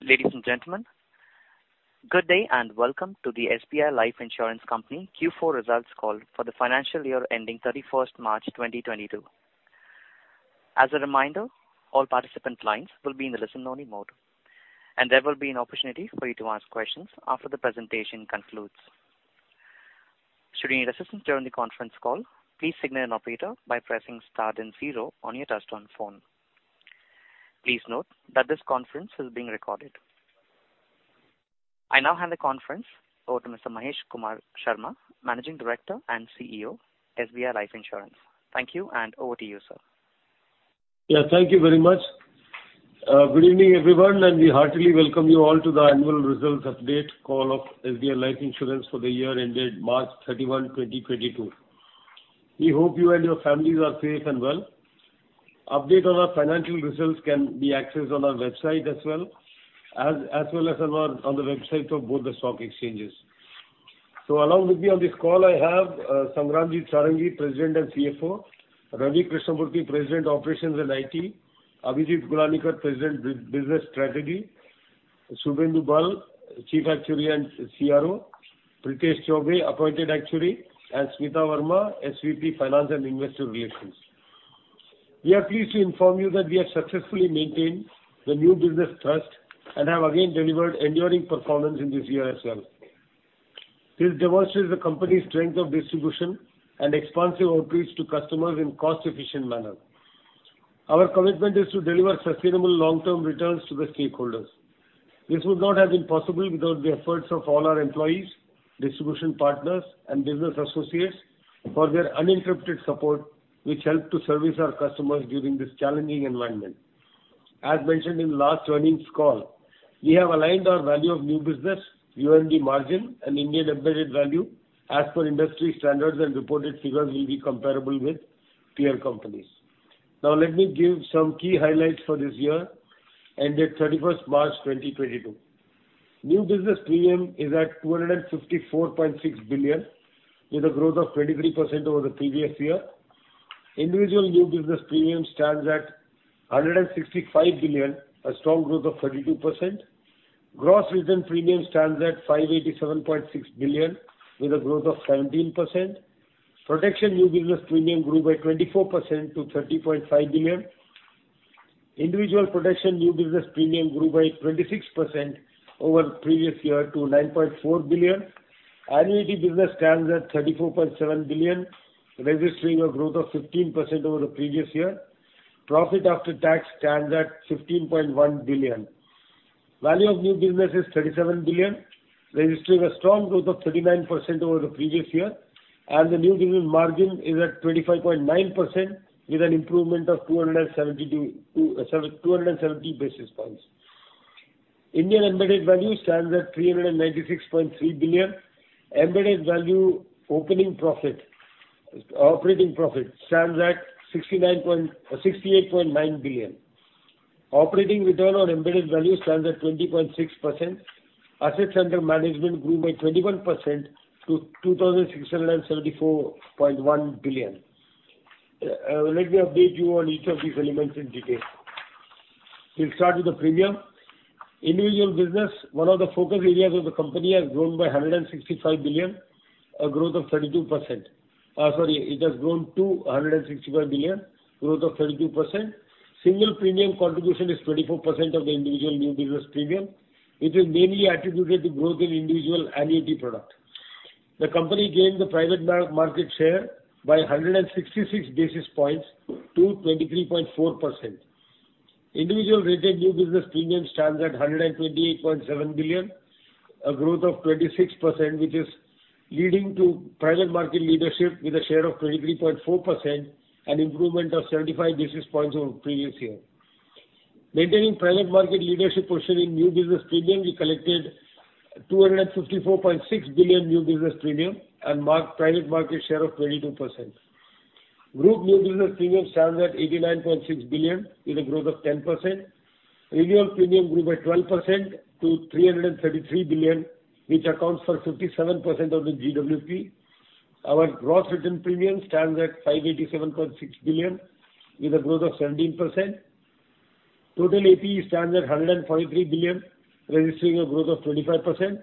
Ladies and gentlemen, good day and welcome to the SBI Life Insurance Company Q4 Results Call for the Financial Year ending 31st March 2022. As a reminder, all participant lines will be in the listen-only mode, and there will be an opportunity for you to ask questions after the presentation concludes. Should you need assistance during the conference call, please signal an operator by pressing star then zero on your touchtone phone. Please note that this conference is being recorded. I now hand the conference over to Mr. Mahesh Kumar Sharma, Managing Director and CEO, SBI Life Insurance. Thank you and over to you, sir. Yeah, thank you very much. Good evening, everyone, and we heartily welcome you all to the annual results update call of SBI Life Insurance for the year ended March 31, 2022. We hope you and your families are safe and well. Update on our financial results can be accessed on our website as well as on the website of both the stock exchanges. Along with me on this call, I have Sangramjit Sarangi, President and CFO, Ravi Krishnamurthy, President, Operations and IT, Abhijit Gulanikar, President, Business Strategy, Subhendu Bal, Chief Actuary and CRO, Prithesh Chaubey, Appointed Actuary, and Smita Verma, SVP, Finance and Investor Relations. We are pleased to inform you that we have successfully maintained the new business trust and have again delivered enduring performance in this year as well. This demonstrates the company's strength of distribution and expansive outreach to customers in cost-efficient manner. Our commitment is to deliver sustainable long-term returns to the stakeholders. This would not have been possible without the efforts of all our employees, distribution partners, and business associates for their uninterrupted support which helped to service our customers during this challenging environment. As mentioned in last earnings call, we have aligned our value of new business, VNB margin, and Indian embedded value. As per industry standards and reported figures will be comparable with peer companies. Now let me give some key highlights for this year ended 31st March 2022. New business premium is at 254.6 billion, with a growth of 23% over the previous year. Individual new business premium stands at 165 billion, a strong growth of 32%. Gross written premium stands at 587.6 billion with a growth of 17%. Protection new business premium grew by 24% to 30.5 billion. Individual protection new business premium grew by 26% over the previous year to 9.4 billion. Annuity business stands at 34.7 billion, registering a growth of 15% over the previous year. Profit after tax stands at 15.1 billion. Value of new business is 37 billion, registering a strong growth of 39% over the previous year, and the new business margin is at 25.9% with an improvement of 270 basis points. Indian embedded value stands at 396.3 billion. Embedded value operating profit stands at 68.9 billion. Operating return on embedded value stands at 20.6%. Assets under management grew by 21% to 2,674.1 billion. Let me update you on each of these elements in detail. We'll start with the premium. Individual business, one of the focus areas of the company, has grown by 165 billion, a growth of 32%. Sorry, it has grown to 165 billion, growth of 32%. Single premium contribution is 24% of the individual new business premium, which is mainly attributed to growth in individual annuity product. The company gained the private market share by 166 basis points to 23.4%. Individual rated new business premium stands at 128.7 billion, a growth of 26%, which is leading to private market leadership with a share of 23.4%, an improvement of 75 basis points over previous year. Maintaining private market leadership position in new business premium, we collected 254.6 billion new business premium and marked private market share of 22%. Group new business premium stands at 89.6 billion with a growth of 10%. Renewal premium grew by 12% to 333 billion, which accounts for 57% of the GWP. Our gross written premium stands at 587.6 billion with a growth of 17%. Total APE stands at 143 billion, registering a growth of 25%.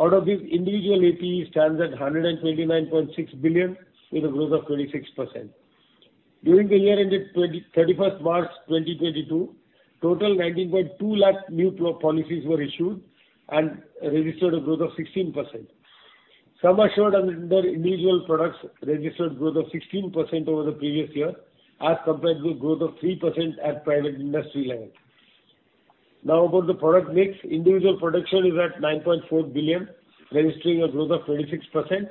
Out of this, individual APE stands at 129.6 billion with a growth of 26%. During the year ended 31st March 2022, total 90.2 lakh new policies were issued and registered a growth of 16%. Sum assured under individual products registered growth of 16% over the previous year as compared with growth of 3% at private industry level. Now about the product mix. Individual protection is at 9.4 billion, registering a growth of 26%.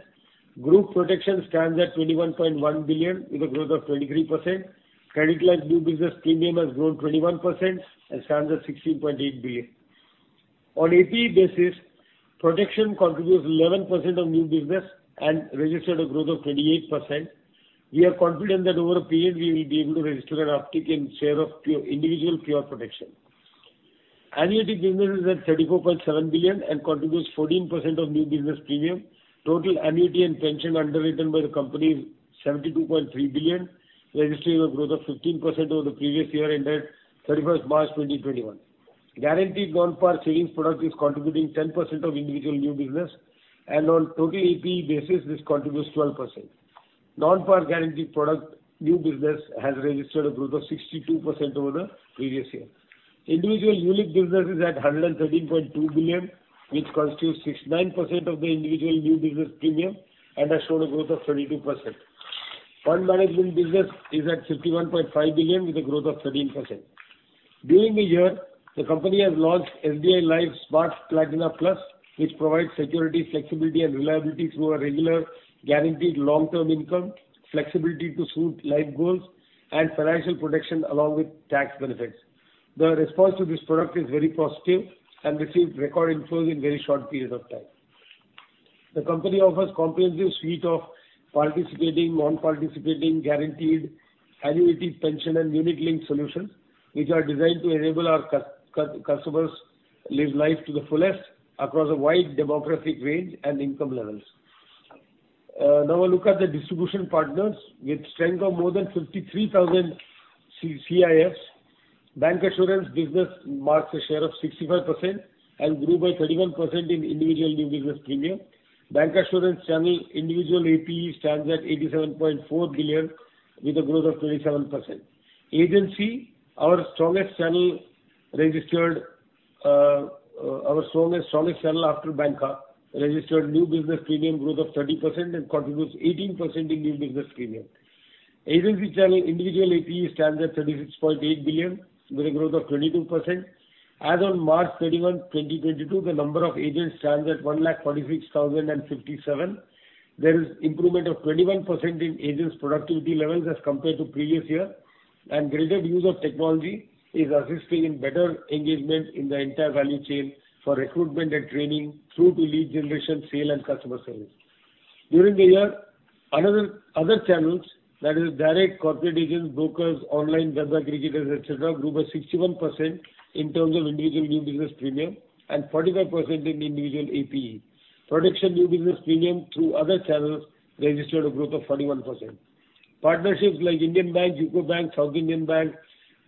Group protection stands at 21.1 billion with a growth of 23%. Credit-linked new business premium has grown 21% and stands at 16.8 billion. On APE basis, protection contributes 11% of new business and registered a growth of 28%. We are confident that over a period we will be able to register an uptick in share of individual pure protection. Annuity business is at 34.7 billion and contributes 14% of new business premium. Total annuity and pension underwritten by the company is 72.3 billion, registering a growth of 15% over the previous year ended 31st March 2021. Guaranteed non-par savings product is contributing 10% of individual new business and on total APE basis, this contributes 12%. Non-par guaranteed product new business has registered a growth of 62% over the previous year. Individual unit business is at 113.2 billion, which constitutes 69% of the individual new business premium and has shown a growth of 32%. Fund management business is at 51.5 billion with a growth of 13%. During the year, the company has launched SBI Life Smart Platina Plus, which provides security, flexibility and reliability through a regular guaranteed long-term income, flexibility to suit life goals and financial protection along with tax benefits. The response to this product is very positive and received record inflows in very short periods of time. The company offers comprehensive suite of participating, non-participating, guaranteed annuity, pension and unit linked solutions, which are designed to enable our customers live life to the fullest across a wide demographic range and income levels. Now a look at the distribution partners. With strength of more than 53,000 CIFs, bancassurance business marks a share of 65% and grew by 31% in individual new business premium. Bancassurance channel individual APE stands at 87.4 billion with a growth of 27%. Agency, our strongest channel after banca, registered new business premium growth of 30% and contributes 18% in new business premium. Agency channel individual APE stands at 36.8 billion with a growth of 22%. As on March 31, 2022, the number of agents stands at 146,057. There is improvement of 21% in agents' productivity levels as compared to previous year, and greater use of technology is assisting in better engagement in the entire value chain for recruitment and training through to lead generation, sale and customer service. During the year, other channels, that is direct corporate agents, brokers, online, bank aggregators, et cetera, grew by 61% in terms of individual new business premium and 45% in individual APE. Protection new business premium through other channels registered a growth of 41%. Partnerships like Indian Bank, UCO Bank, South Indian Bank,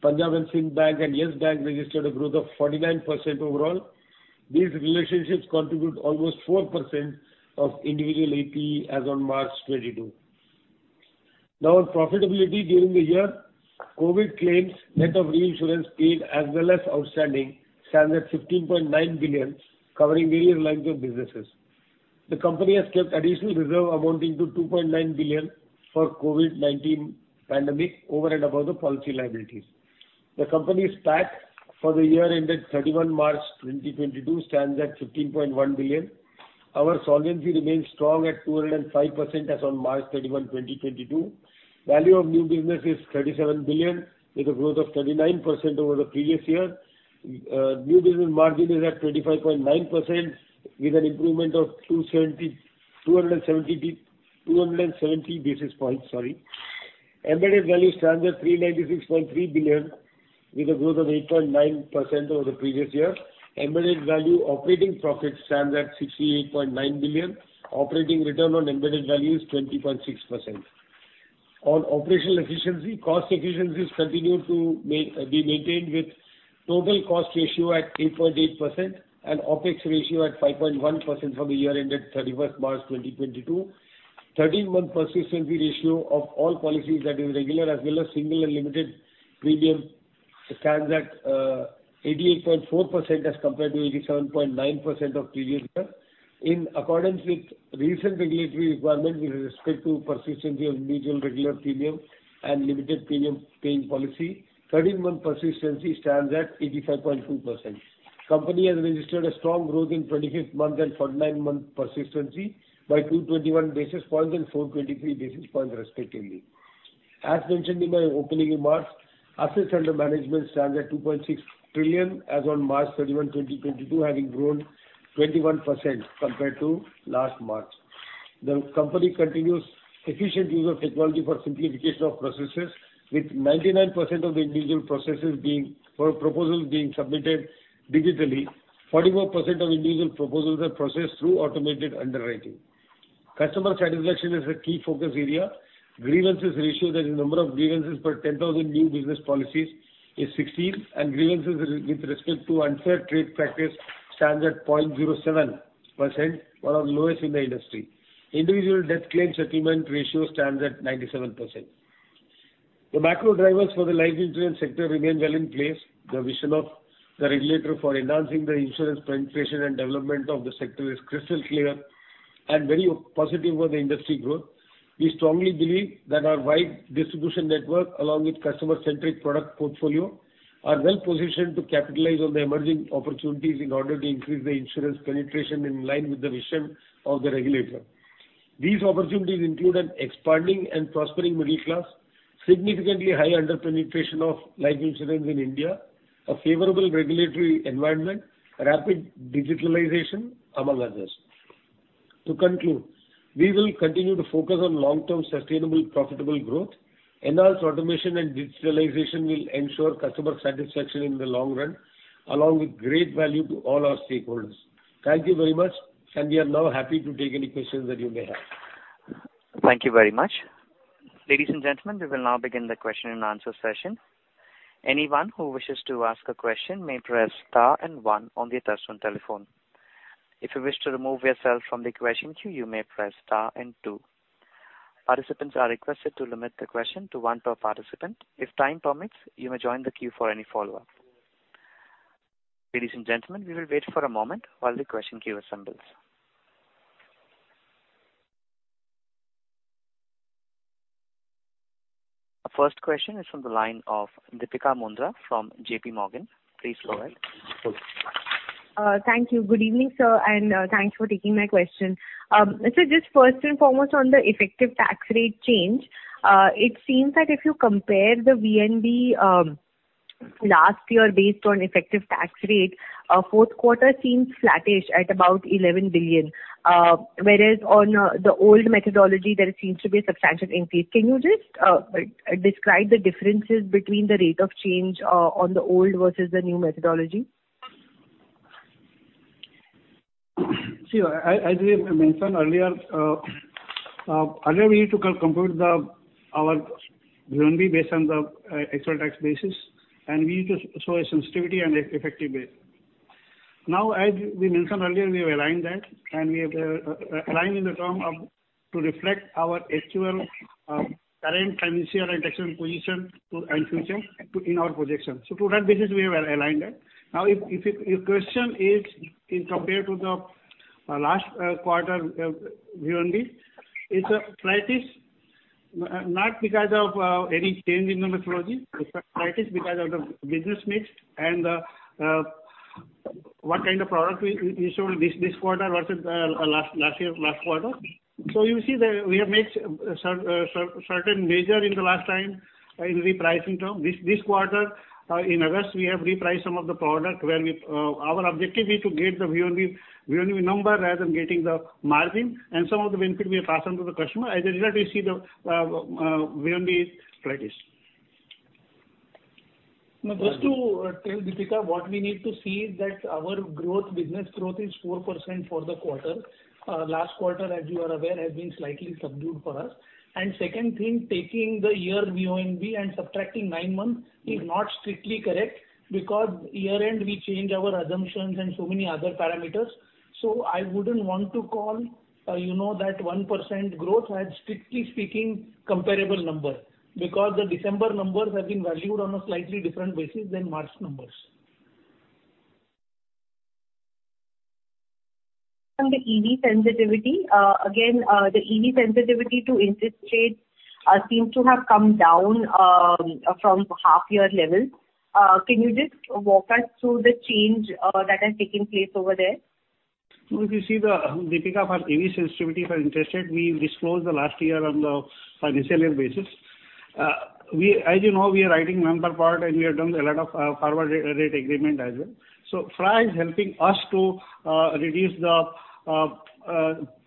Punjab & Sind Bank and YES Bank registered a growth of 49% overall. These relationships contribute almost 4% of individual APE as on March 2022. Now on profitability during the year, COVID claims net of reinsurance paid as well as outstanding stands at 15.9 billion, covering various lines of businesses. The company has kept additional reserve amounting to 2.9 billion for COVID-19 pandemic over and above the policy liabilities. The company's PAT for the year ended 31 March 2022 stands at 15.1 billion. Our solvency remains strong at 205% as on March 31, 2022. Value of new business is 37 billion, with a growth of 39% over the previous year. New business margin is at 25.9% with an improvement of 270 basis points, sorry. Embedded value stands at 396.3 billion with a growth of 8.9% over the previous year. Embedded value operating profits stands at 68.9 billion. Operating return on embedded value is 20.6%. On operational efficiency, cost efficiencies continued to be maintained with total cost ratio at 8.8% and OpEx ratio at 5.1% for the year ended 31st March 2022. 13th month persistency ratio of all policies that is regular as well as single and limited premium stands at 88.4% as compared to 87.9% of previous year. In accordance with recent regulatory requirements with respect to persistency of individual regular premium and limited premium paying policy, 13th month persistency stands at 85.2%. Company has registered a strong growth in 25th month and 49 month persistency by 221 basis points and 423 basis points respectively. As mentioned in my opening remarks, assets under management stands at 2.6 trillion as on March 31, 2022, having grown 21% compared to last March. The company continues efficient use of technology for simplification of processes with 99% of individual proposals being submitted digitally. 44% of individual proposals are processed through automated underwriting. Customer satisfaction is a key focus area. Grievances ratio, that is number of grievances per 10,000 new business policies, is 16% and grievances with respect to unfair trade practice stands at 0.07%, one of the lowest in the industry. Individual death claim settlement ratio stands at 97%. The macro drivers for the life insurance sector remain well in place. The vision of the regulator for enhancing the insurance penetration and development of the sector is crystal clear and very positive for the industry growth. We strongly believe that our wide distribution network along with customer-centric product portfolio are well-positioned to capitalize on the emerging opportunities in order to increase the insurance penetration in line with the vision of the regulator. These opportunities include an expanding and prospering middle class, significantly high under-penetration of life insurance in India, a favorable regulatory environment, rapid digitalization, among others. To conclude, we will continue to focus on long-term, sustainable, profitable growth. Enhanced automation and digitalization will ensure customer satisfaction in the long run, along with great value to all our stakeholders. Thank you very much. We are now happy to take any questions that you may have. Thank you very much. Ladies and gentlemen, we will now begin the question and answer session. Anyone who wishes to ask a question may press star and one on their telephone. If you wish to remove yourself from the question queue, you may press star and two. Participants are requested to limit the question to one per participant. If time permits, you may join the queue for any follow-up. Ladies and gentlemen, we will wait for a moment while the question queue assembles. Our first question is from the line of Deepika Mundra from JPMorgan. Please go ahead. Thank you. Good evening, sir, and thanks for taking my question. Just first and foremost, on the effective tax rate change, it seems that if you compare the VNB last year based on effective tax rate, fourth quarter seems flattish at about 11 billion, whereas on the old methodology there seems to be a substantial increase. Can you just describe the differences between the rate of change on the old versus the new methodology? See, as we mentioned earlier, we used to compute our VNB based on the actual tax basis, and we used to show a sensitivity and effective rate. Now, as we mentioned earlier, we have aligned that and we have aligned to reflect our actual current financial and tax position and future too in our projection. To that basis we have aligned that. Now if your question is compared to the last quarter VNB, it's flattish, not because of any change in the methodology. It's flattish because of the business mix and what kind of product we showed this quarter versus last quarter. You see that we have made certain measures in the last time in repricing terms. This quarter, in August, we have repriced some of the product where our objective is to get the VNB number rather than getting the margin. Some of the benefit we have passed on to the customer. As a result we see the VNB flattish. Now just to tell Deepika what we need to see is that our growth, business growth is 4% for the quarter. Last quarter, as you are aware, has been slightly subdued for us. Second thing, taking the year VNB and subtracting nine months is not strictly correct because year-end we change our assumptions and so many other parameters. I wouldn't want to call, you know, that 1% growth as strictly speaking comparable number because the December numbers have been valued on a slightly different basis than March numbers. The EV sensitivity. Again, the EV sensitivity to interest rates seems to have come down from half year level. Can you just walk us through the change that has taken place over there? If you see the Deepika, our EV sensitivity for interest rate, we disclosed last year on the financial year basis. As you know, we are writing non-par and we have done a lot of forward rate agreement as well. FRA is helping us to reduce the interest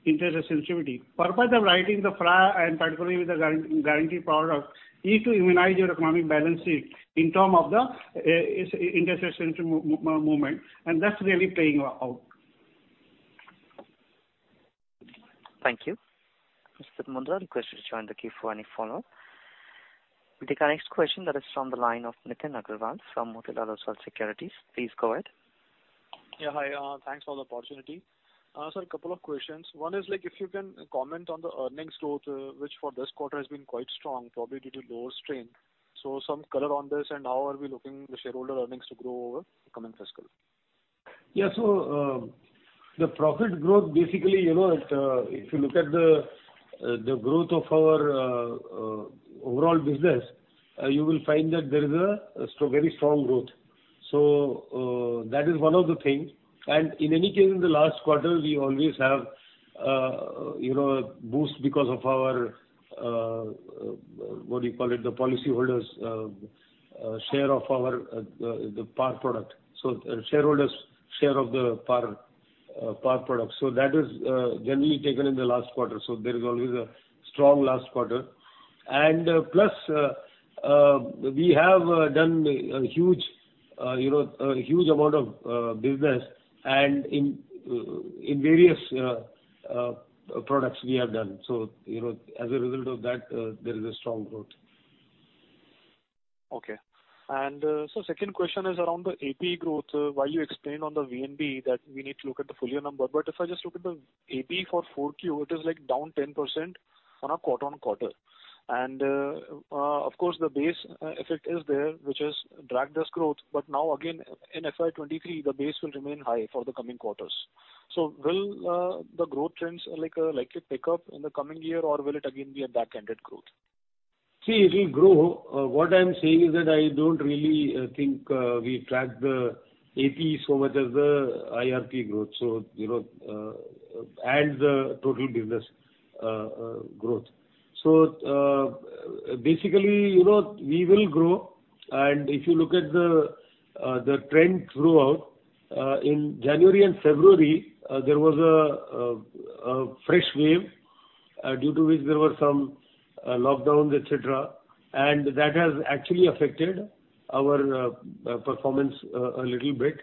rate sensitivity. Purpose of writing the FRA and particularly with the guarantee product is to immunize your economic balance sheet in terms of the interest rate sensitivity moment, and that's really paying out. Thank you. Ms. Mundra, I request you to join the queue for any follow-up. We take our next question that is from the line of Nitin Aggarwal from Motilal Oswal Securities. Please go ahead. Yeah, hi. Thanks for the opportunity. Sir, a couple of questions. One is like if you can comment on the earnings growth, which for this quarter has been quite strong, probably due to lower strain. Some color on this and how are we looking the shareholder earnings to grow over the coming fiscal? Yeah. The profit growth basically, you know, it if you look at the growth of our overall business you will find that there is a very strong growth. That is one of the thing. In any case, in the last quarter, we always have you know boost because of our what do you call it? The policyholders' share of the par product. Shareholders' share of the par product. That is generally taken in the last quarter. There is always a strong last quarter. Plus we have done a huge you know a huge amount of business and in various products we have done. You know, as a result of that, there is a strong growth. Okay. Second question is around the APE growth. While you explained on the VNB that we need to look at the full year number, but if I just look at the APE for 4Q, it is like down 10% on a quarter-on-quarter. Of course the base effect is there, which has dragged this growth, but now again in FY 2023 the base will remain high for the coming quarters. Will the growth trends, like, likely pick up in the coming year or will it again be a back-ended growth? See, it will grow. What I am saying is that I don't really think we track the APE so much as the IRP growth. So, you know, and the total business growth. So, basically, you know, we will grow. If you look at the trend throughout in January and February, there was a fresh wave due to which there were some lockdowns, et cetera, and that has actually affected our performance a little bit.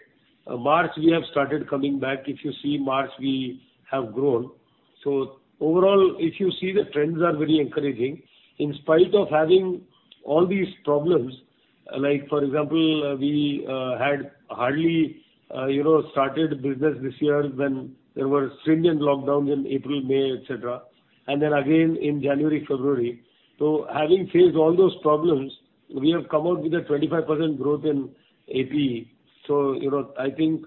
March we have started coming back. If you see March, we have grown. Overall, if you see the trends are very encouraging. In spite of having all these problems, like for example, we had hardly, you know, started business this year when there were stringent lockdowns in April, May, et cetera, and then again in January, February. Having faced all those problems, we have come out with a 25% growth in APE. You know, I think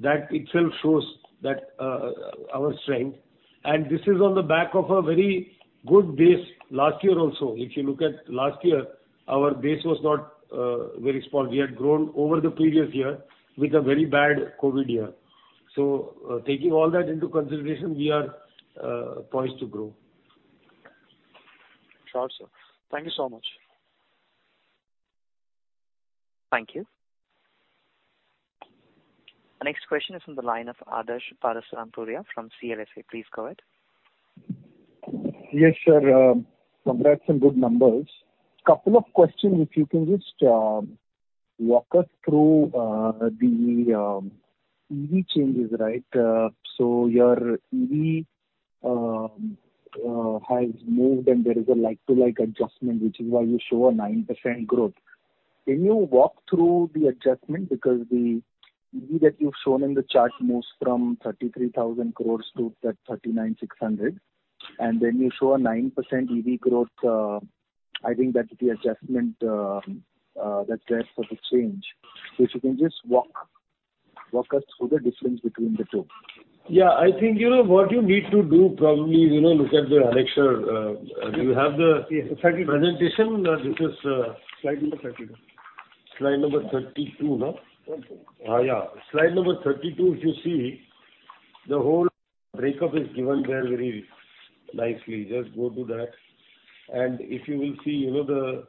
that itself shows that our strength, and this is on the back of a very good base last year also. If you look at last year, our base was not very small. We had grown over the previous year with a very bad COVID year. Taking all that into consideration, we are poised to grow. Sure, sir. Thank you so much. Thank you. The next question is from the line of Adarsh Parasrampuria from CLSA. Please go ahead. Yes, sir. Congrats on good numbers. Couple of questions, if you can just walk us through the EV changes, right. So your EV has moved and there is a like-for-like adjustment, which is why you show a 9% growth. Can you walk through the adjustment? Because the EV that you've shown in the chart moves from 33,000-39,600, and then you show a 9% EV growth. I think that the adjustment that's there for the change. If you can just walk us through the difference between the two. Yeah, I think you know what you need to do probably, you know, look at the annexure. Yes, 32. Presentation, which is Slide number 32. Slide number 32, no? That's it. Slide number 32 if you see, the whole break-up is given there very nicely. Just go to that. If you will see, you know, the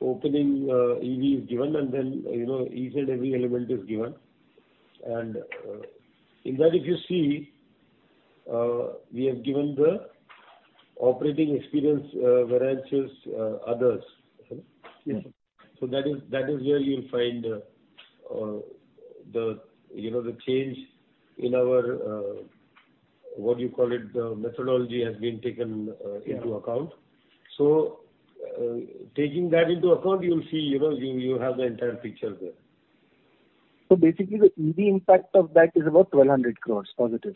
opening EV is given, and then, you know, each and every element is given. In that if you see, we have given the operating expense variances, others. Yes. That is where you'll find, you know, the change in our what you call it the methodology has been taken into account. Yeah. Taking that into account, you'll see, you know, you have the entire picture there. Basically the EV impact of that is about 1,200 positive.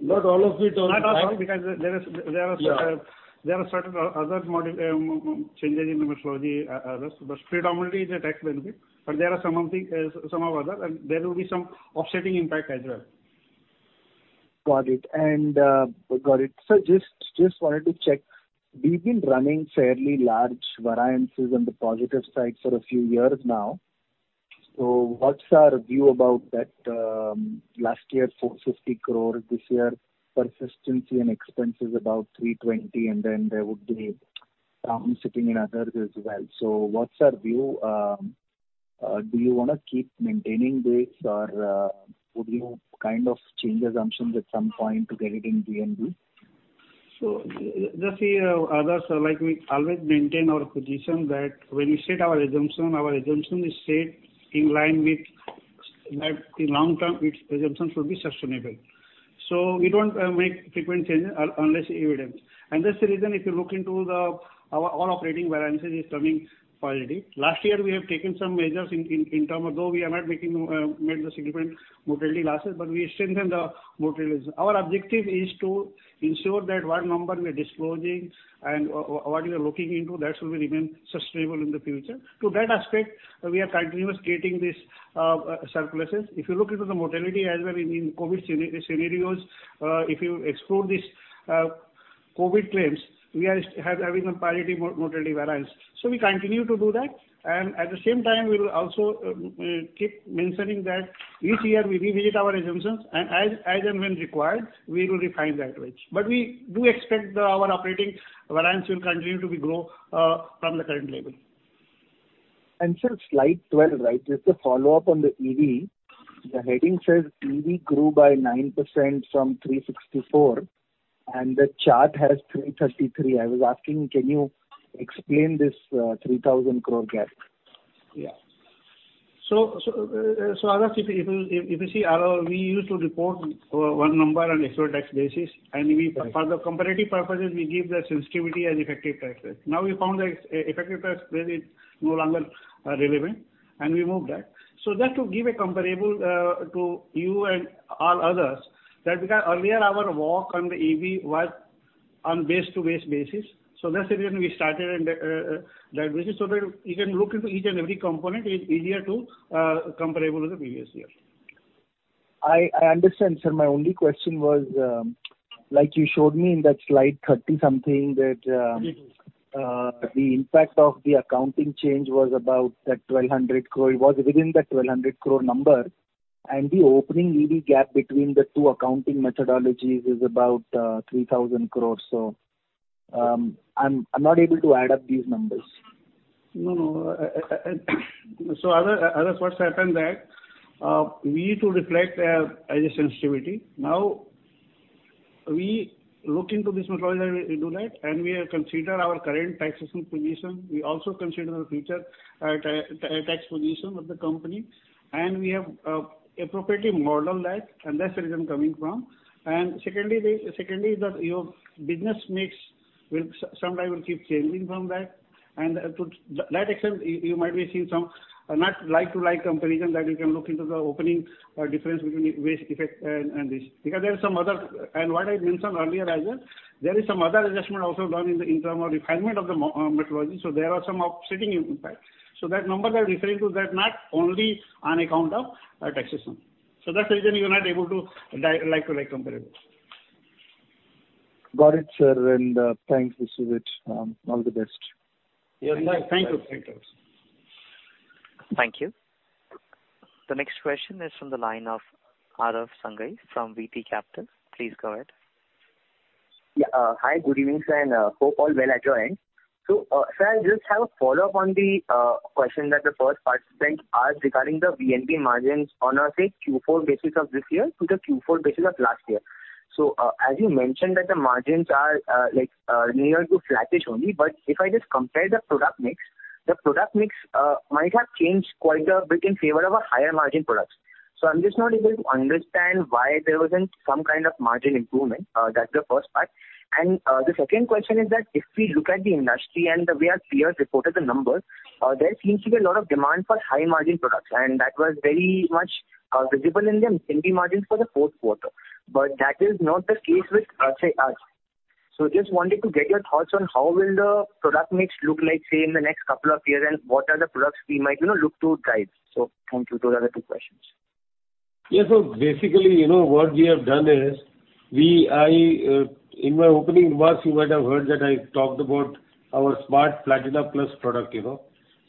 Not all of it. Not all because there are certain- Yeah. There are certain other changes in the methodology, others. Predominantly the tax benefit. There are some of the other, and there will be some offsetting impact as well. Got it. Got it. Just wanted to check. We've been running fairly large variances on the positive side for a few years now. What's our view about that, last year 450, this year persistency and expense is about 320, and then there would be some sitting in others as well. What's our view? Do you wanna keep maintaining this or would you kind of change assumptions at some point to get it in DMV? Just see others, like, we always maintain our position that when we set our assumption, our assumption is set in line with that in long term its assumption should be sustainable. We don't make frequent changes unless evident. That's the reason if you look into our operating variances is coming positive. Last year we have taken some measures in terms, although we are not making the significant mortality losses, but we strengthen the mortality ratio. Our objective is to ensure that what number we are disclosing and what we are looking into, that should remain sustainable in the future. To that aspect, we are continuously creating these surpluses. If you look into the mortality as well in COVID scenarios, if you explore these COVID claims, we are having a positive mortality variance. We continue to do that. At the same time we will also keep mentioning that each year we revisit our assumptions and as and when required, we will refine that range. We do expect that our operating variance will continue to grow from the current level. Sir, slide 12, right. Just a follow-up on the EV. The heading says EV grew by 9% from 364, and the chart has 333 I was asking, can you explain this 3,000 gap? Yeah. if you see our, we used to report one number on before tax basis, and we- Right. For the comparative purposes we give the sensitivity as effective tax rate. Now, we found the effective tax rate is no longer relevant and we moved that. Just to give a comparable to you and all others that because earlier our work on the EV was on base-to-base basis. That's the reason we started and that basis so that you can look into each and every component is easier to compare to the previous year. I understand, sir. My only question was, like you showed me in that slide 30-something that, Mm-hmm. The impact of the accounting change was about 1,200. It was within that 1,200 number. The opening EV gap between the two accounting methodologies is about 3,000. I'm not able to add up these numbers. No, no. Otherwise what's happened that we need to reflect as a sensitivity. Now we look into this methodology, we do that, and we consider our current taxation position. We also consider the future tax position of the company, and we have appropriately modeled that, and that's where it is coming from. Secondly, your business mix will sometimes keep changing from that. To that extent, you might be seeing some not like-for-like comparison that you can look into the ongoing difference between base effect and this. Because there are some other. What I mentioned earlier as well, there is some other adjustment also done in the interim or refinement of the methodology. There are some offsetting impact. That number we are referring to is not only on account of taxation. That's the reason you are not able to like to like compare it. Got it, sir, and, thanks, Sujit. All the best. You're welcome. Thank you. Thank you. Thank you. The next question is from the line of Aarav Sanghavi from VT Capital. Please go ahead. Yeah. Hi, good evening, sir, and hope all well at your end. Sir, I just have a follow-up on the question that the first participant asked regarding the VNB margins on, say, a Q4 basis of this year to the Q4 basis of last year. As you mentioned that the margins are like nearly flattish only, but if I just compare the product mix might have changed quite a bit in favor of higher-margin products. I'm just not able to understand why there wasn't some kind of margin improvement. That's the first part. The second question is that if we look at the industry and the way our peers reported the numbers, there seems to be a lot of demand for high margin products, and that was very much visible in the VNB margins for the fourth quarter. That is not the case with us. Just wanted to get your thoughts on how will the product mix look like, say, in the next couple of years, and what are the products we might, you know, look to drive. Thank you. Those are the two questions. Yeah. Basically, you know, what we have done is, in my opening remarks, you might have heard that I talked about our Smart Platina Plus product, you know.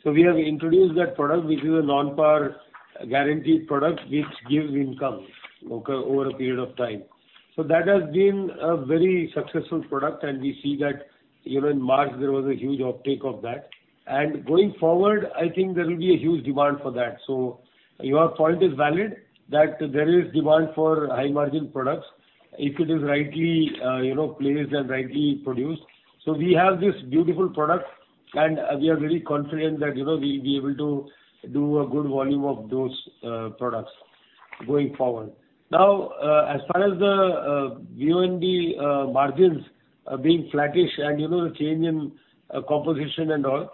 We have introduced that product, which is a non-par guaranteed product which gives income over a period of time. That has been a very successful product, and we see that even in March there was a huge uptake of that. Going forward, I think there will be a huge demand for that. Your point is valid that there is demand for high margin products if it is rightly, you know, placed and rightly produced. We have this beautiful product and we are very confident that, you know, we'll be able to do a good volume of those products going forward. Now, as far as the VNB margins being flattish and, you know, the change in composition and all,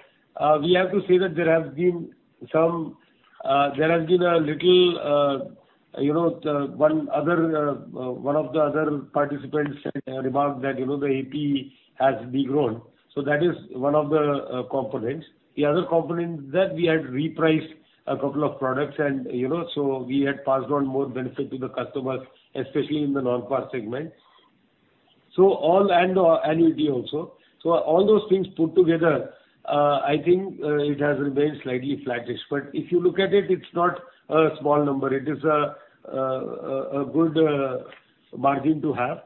we have to say that there has been a little, you know, one of the other participants remarked that, you know, the AP has de-grown. That is one of the components. The other component is that we had repriced a couple of products and, you know, so we had passed on more benefit to the customers, especially in the non-par segment. All, and annuity also. All those things put together, I think, it has remained slightly flattish. If you look at it's not a small number. It is a good margin to have.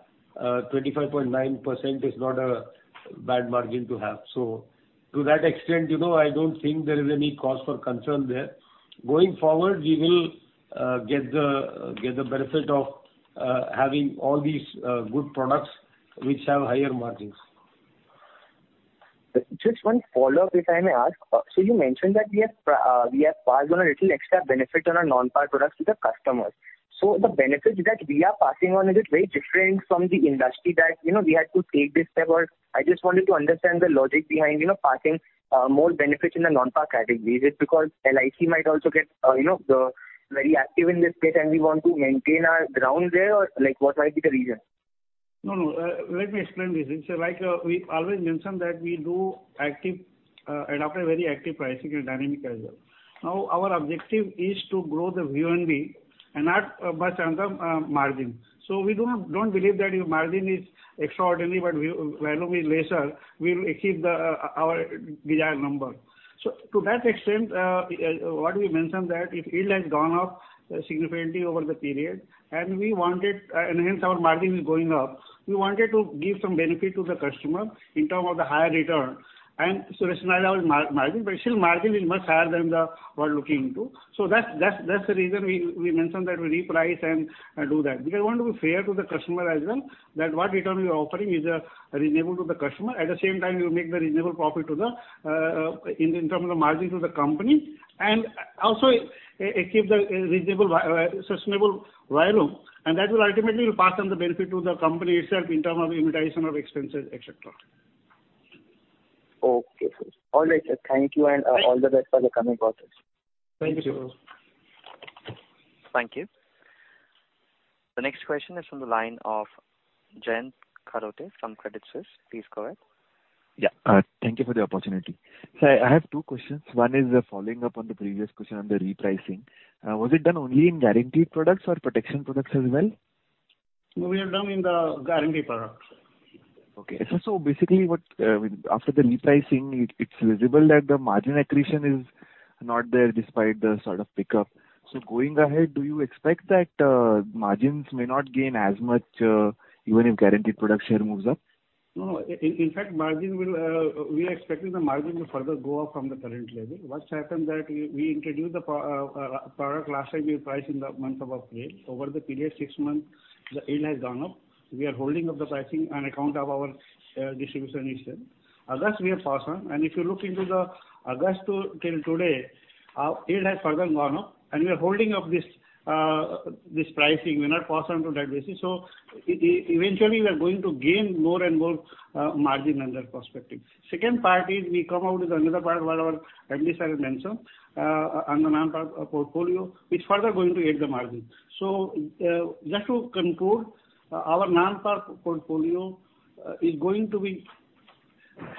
25.9% is not a bad margin to have. To that extent, you know, I don't think there is any cause for concern there. Going forward, we will get the benefit of having all these good products which have higher margins. Jus t one follow-up, if I may ask. You mentioned that we have passed on a little extra benefit on our non-par products to the customers. The benefit that we are passing on, is it very different from the industry that, you know, we had to take this step or I just wanted to understand the logic behind, you know, passing more benefits in the non-par category. Is it because LIC might also get very active in this space and we want to maintain our ground there, or like, what might be the reason? No. Let me explain this. It's like, we always mention that we adopt a very active pricing dynamics as well. Now, our objective is to grow the VNB and not so much on the margin. We don't believe that your margin is extraordinary, but the value is lesser. We'll achieve our desired number. To that extent, what we mentioned that if yield has gone up significantly over the period and hence our margin is going up, we wanted to give some benefit to the customer in terms of the higher return and so rationalize margin. Still margin is much higher than the we're looking into. That's the reason we mentioned that we reprice and do that. We are going to be fair to the customer as well, so that the return we are offering is reasonable to the customer. At the same time, we make the reasonable profit in terms of margin to the company, and also it keeps the reasonable viable sustainable viability, and that will ultimately pass on the benefit to the company itself in terms of utilization of expenses, et cetera. Okay, sir. All right, sir. Thank you, and all the best for the coming quarters. Thank you. Thank you. The next question is from the line of Jayant Kharote from Credit Suisse. Please go ahead. Yeah. Thank you for the opportunity. I have two questions. One is, following up on the previous question on the repricing. Was it done only in guaranteed products or protection products as well? We have done in the guaranteed products. Okay. Basically what, after the repricing, it's visible that the margin accretion is not there despite the sort of pickup. Going ahead, do you expect that margins may not gain as much, even if guaranteed product share moves up? No. In fact, we are expecting the margin to further go up from the current level. What's happened that we introduced the product last time we priced in the month of April. Over the period six months, the yield has gone up. We are holding up the pricing on account of our distribution issue. August we have passed on. If you look into the August till today, our yield has further gone up and we are holding up this pricing. We're not passing to that basis. Eventually we are going to gain more and more margin prospectively. Second part is we come out with another product what our MD, sir, had mentioned on the non-par portfolio which further going to aid the margin. Just to conclude, our non-par portfolio is going to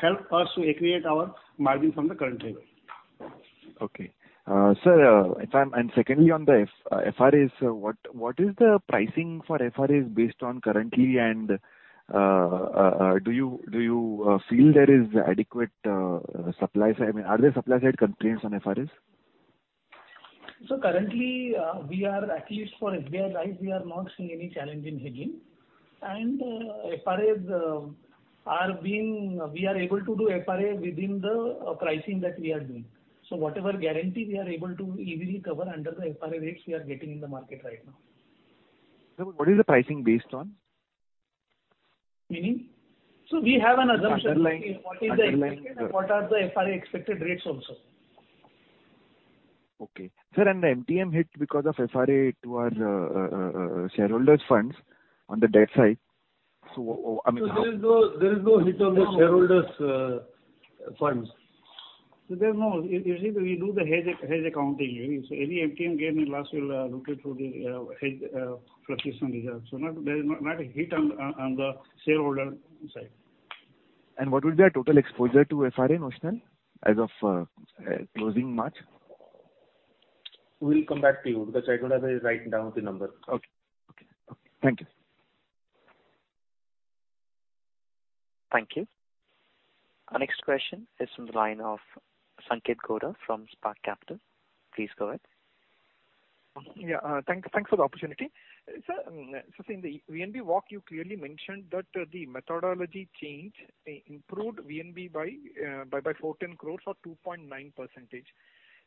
help us to accrete our margin from the current level. Sir, secondly on the FRAs, what is the pricing for FRAs based on currently? Do you feel there is adequate supply side? I mean, are there supply side constraints on FRAs? Currently, we are at least for FBL life, we are not seeing any challenge in hedging. FRAs are being, we are able to do FRA within the pricing that we are doing. Whatever guarantee we are able to easily cover under the FRA rates we are getting in the market right now. Sir, what is the pricing based on? Meaning? We have an assumption. Underlying. What is the expected and what are the FRA expected rates also? Okay. Sir, the MTM hit because of FRA to our shareholders' funds on the debt side. I mean how There is no hit on the shareholders' funds. There's no. You see we do the hedge accounting. Any MTM gain and loss will look it through the hedge fluctuation reserve. There is not a hit on the shareholder side. What would be our total exposure to FRA notional as of closing March? We'll come back to you because I don't have the write-down of the number. Okay. Thank you. Thank you. Our next question is from the line of Sanketh Godha from Spark Capital. Please go ahead. Yeah. Thanks for the opportunity. Sir, in the VNB walk you clearly mentioned that the methodology change improved VNB by 410 or 2.9%.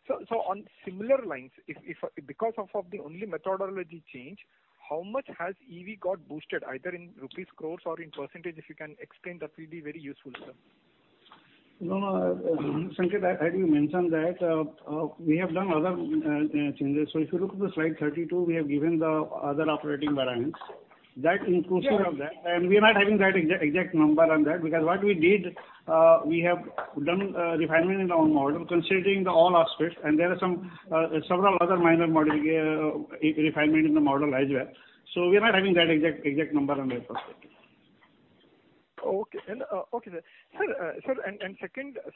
On similar lines, if because of the only methodology change, how much has EV got boosted either in rupees crore or in percentage if you can explain that will be very useful, sir. No, Sanketh, I do mention that we have done other changes. If you look to the slide 32, we have given the other operating variance. That inclusive of that and we are not having that exact number on that because what we did, we have done refinement in our model considering the all aspects and there are some several other minor modeling refinement in the model as well. We are not having that exact number on that perspective. Okay, sir.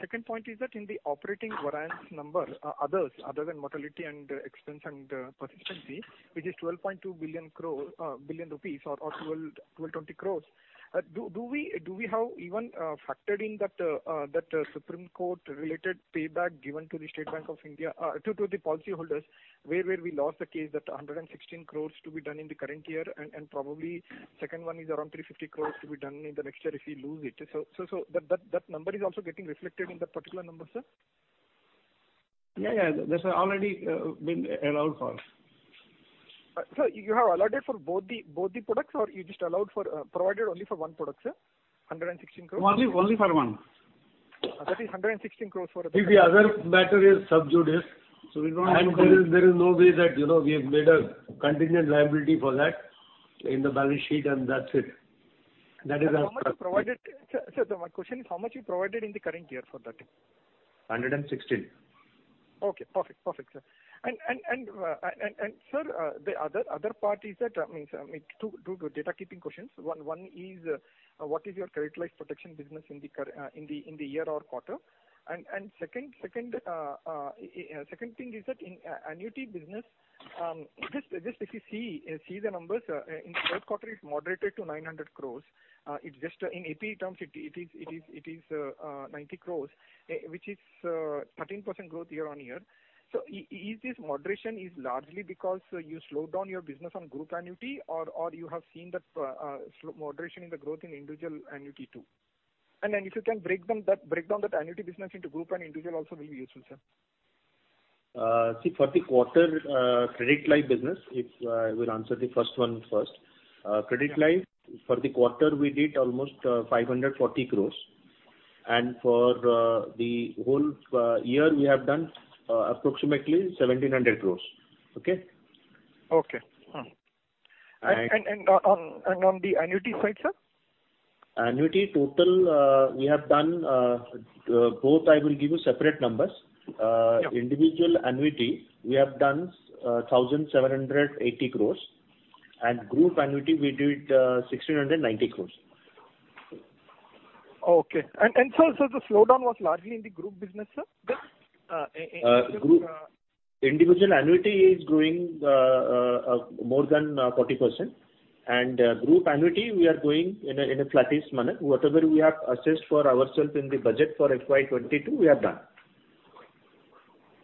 Second point is that in the operating variance number, other than mortality and expense and persistency which is 12.2 billion or 1,220, do we have even factored in that Supreme Court related payback given to the State Bank of India to the policy holders where we lost the case that 116 crore to be done in the current year and probably second one is around 350 crore to be done in the next year if we lose it. That number is also getting reflected in that particular number, sir? Yeah, yeah. That's already been allowed for. You have allotted for both the products or you just provided only for one product, sir? 116. Only for one. That is 116 for the- The other matter is sub judice. So we don't want to- There is no way that, you know, we have made a contingent liability for that in the balance sheet and that's it. That is our. Sir, my question is how much you provided in the current year for that? 116. Okay. Perfect. Perfect, sir. The other part is that, I mean, sir, I mean two data keeping questions. One is what is your credit life protection business in the current year or quarter? Second thing is that in annuity business, just if you see the numbers, in third quarter it moderated to 900. In APE terms it is 90, which is 13% growth year-on-year. Is this moderation largely because you slowed down your business on group annuity or you have seen slow moderation in the growth in individual annuity too? If you can break down that annuity business into group and individual also will be useful, sir. See, for the quarter, credit life business, I will answer the first one first. Credit life for the quarter we did almost 540. For the whole year we have done approximately 1,700. Okay. Okay. And- On the annuity side, sir? Annuity total, we have done both. I will give you separate numbers. Yeah. Individual annuity we have done 1,780. Group annuity we did 1,690. Okay. The slowdown was largely in the group business, sir? The in group- Individual annuity is growing more than 40%. Group annuity we are growing in a flattish manner. Whatever we have assessed for ourself in the budget for FY 2022, we have done.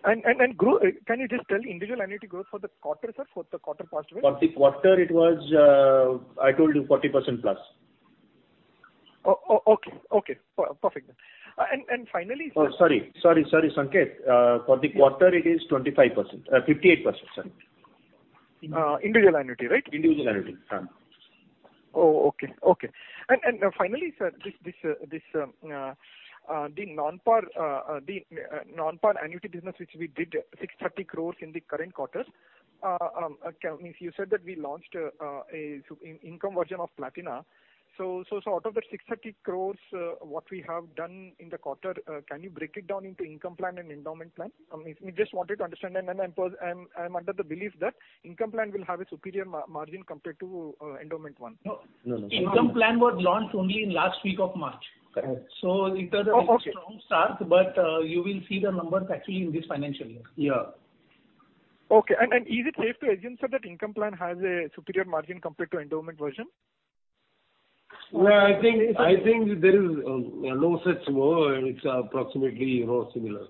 Can you just tell individual annuity growth for the quarter, sir, for the past quarter? For the quarter it was, I told you 40%+. Oh, okay. Perfect then. And finally, sir. Sorry, Sanketh. For the quarter it is 25%. 58%, sorry. Individual annuity, right? Individual annuity. Yeah. Finally, sir, this non-par annuity business which we did 630 in the current quarter. If you said that we launched an income version of Platina. Out of that 630, what we have done in the quarter, can you break it down into income plan and endowment plan? I mean, we just wanted to understand and I'm under the belief that income plan will have a superior margin compared to endowment one. No, no. Income plan was launched only in last week of March. Correct. In terms of- Oh, okay. Strong start, but you will see the numbers actually in this financial year. Yeah. Okay. Is it safe to assume, sir, that income plan has a superior margin compared to endowment version? Well, I think it's approximately, you know, similar.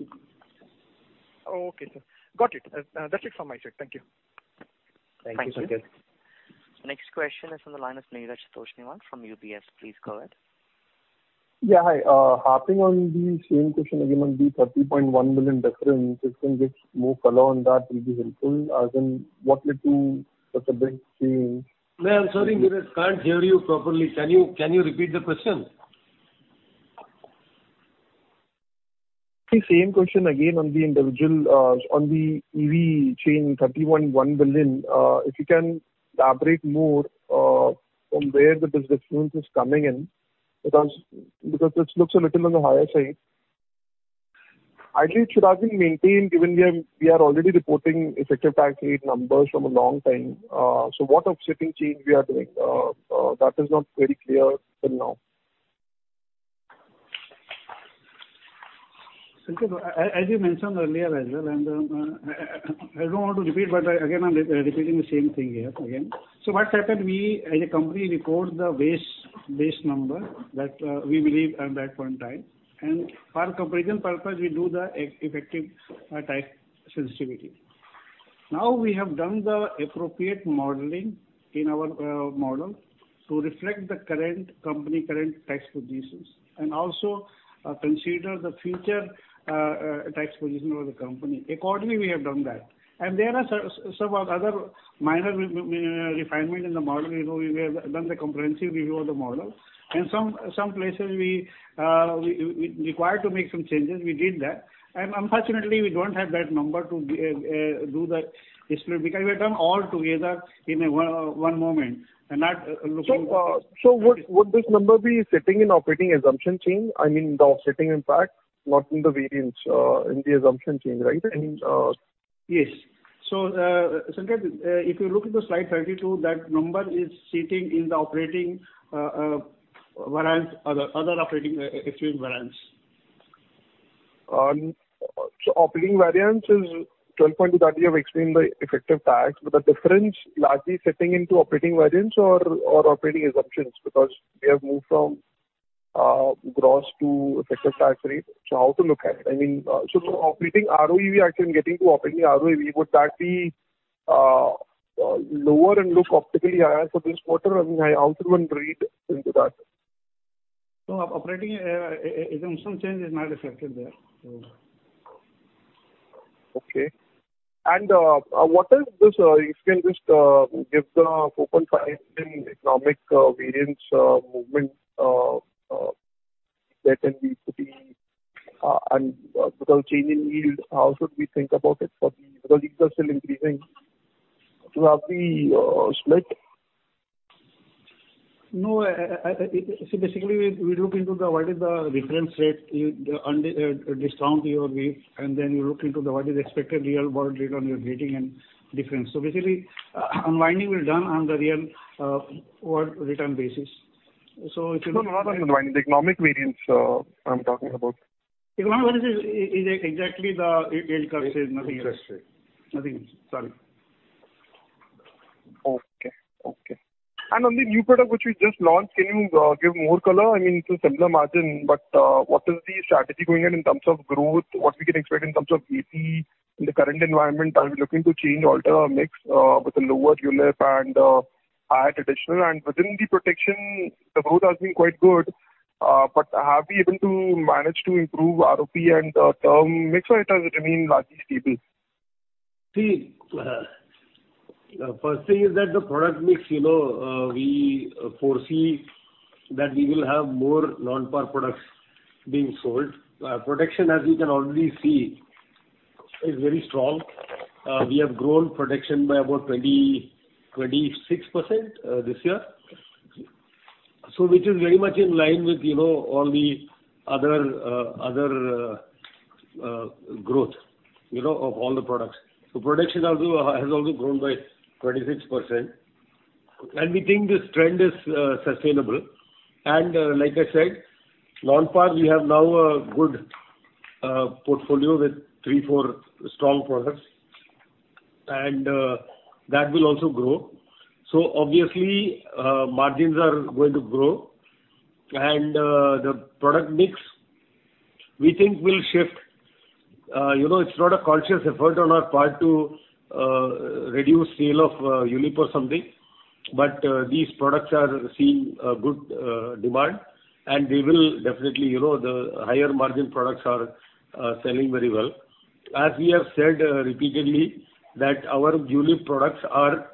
Oh, okay, sir. Got it. That's it from my side. Thank you. Thank you, Sanketh. Thank you. Next question is from the line of Neeraj Toshniwal from UBS. Please go ahead. Yeah. Hi. Harping on the same question again on the 30.1 million difference. If you can give more color on that, it will be helpful. As in, what led to such a big change? Well, I'm sorry, Neeraj, can't hear you properly. Can you repeat the question? The same question again on the individual on the EV change, 30.1 billion. If you can elaborate more from where the business difference is coming in because this looks a little on the higher side. Ideally it should have been maintained given we are already reporting effective tax rate numbers from a long time. So what offsetting change we are doing? That is not very clear till now. Sanketh, as you mentioned earlier as well, I don't want to repeat, but again I'm repeating the same thing here again. What happened, we as a company report the base number that we believe at that point in time. For comparison purpose we do the effective tax sensitivity. Now we have done the appropriate modeling in our model to reflect the current company's current tax positions and also consider the future tax position of the company. Accordingly, we have done that. There are some other minor refinement in the model. You know, we have done the comprehensive review of the model. Some places we required to make some changes. We did that. Unfortunately we don't have that number to do the history because we've done all together in a one moment and not looking. Would this number be sitting in operating assumption change? I mean, the offsetting impact, not in the variance, in the assumption change, right? Yes. Sanketh, if you look at the slide 32, that number is sitting in the operating variance, other operating expense variance. Operating variance is 12.23% of income by effective tax. The difference largely sitting in operating variance or operating assumptions because we have moved from gross to effective tax rate. How to look at it? I mean, operating ROE, we actually are getting to operating ROE. Would that be lower and look optically higher for this quarter? I mean, how to even read into that? No, operating assumption change is not reflected there. What is this? If you can just give the open finance in economic variance movement that can be put in and without changing yield, how should we think about it because yields are still increasing to have the spread? No, I see basically we look into what is the reference rate you discount your rate and then you look into what is the expected real world rate on your rating and difference. Basically, unwinding is done on the real world return basis. If you look- No, not unwinding. The economic variance, I'm talking about. Economic variance is exactly the yield curve. Says nothing else. Okay. Nothing else. Sorry. Okay. On the new product which you just launched, can you give more color? I mean, it's a similar margin, but what is the strategy going in terms of growth? What we can expect in terms of AP in the current environment? Are you looking to change, alter our mix with a lower ULIP and higher traditional? Within the protection the growth has been quite good, but have you been able to manage to improve ROP and the term mix or it has remained largely stable? See, first thing is that the product mix, you know, we foresee that we will have more non-par products being sold. Protection as you can already see is very strong. We have grown protection by about 26%, this year. Which is very much in line with, you know, all the other growth, you know, of all the products. Protection although has also grown by 26%. We think this trend is sustainable. Like I said, non-par we have now a good portfolio with three, four strong products and, that will also grow. Obviously, margins are going to grow. The product mix we think will shift. You know, it's not a conscious effort on our part to reduce sale of ULIP or something, but these products are seeing a good demand and we will definitely you know, the higher margin products are selling very well. As we have said repeatedly that our ULIP products are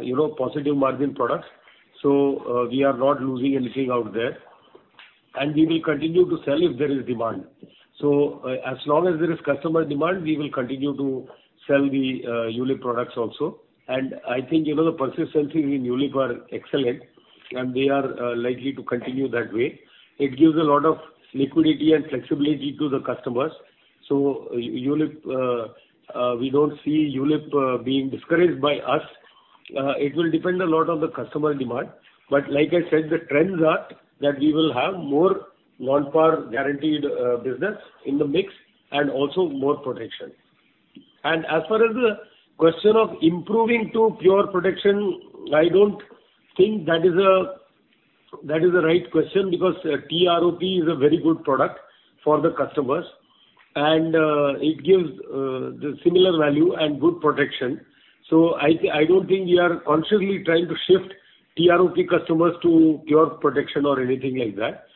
you know, positive margin products, so we are not losing anything out there. We will continue to sell if there is demand. As long as there is customer demand, we will continue to sell the ULIP products also. I think, you know, the persistencies in ULIP are excellent and they are likely to continue that way. It gives a lot of liquidity and flexibility to the customers. ULIP we don't see ULIP being discouraged by us. It will depend a lot on the customer demand. Like I said, the trends are that we will have more non-par guaranteed business in the mix and also more protection. As far as the question of improving to pure protection, I don't think that is the right question because TROP is a very good product for the customers and it gives the similar value and good protection. I don't think we are consciously trying to shift TROP customers to pure protection or anything like that.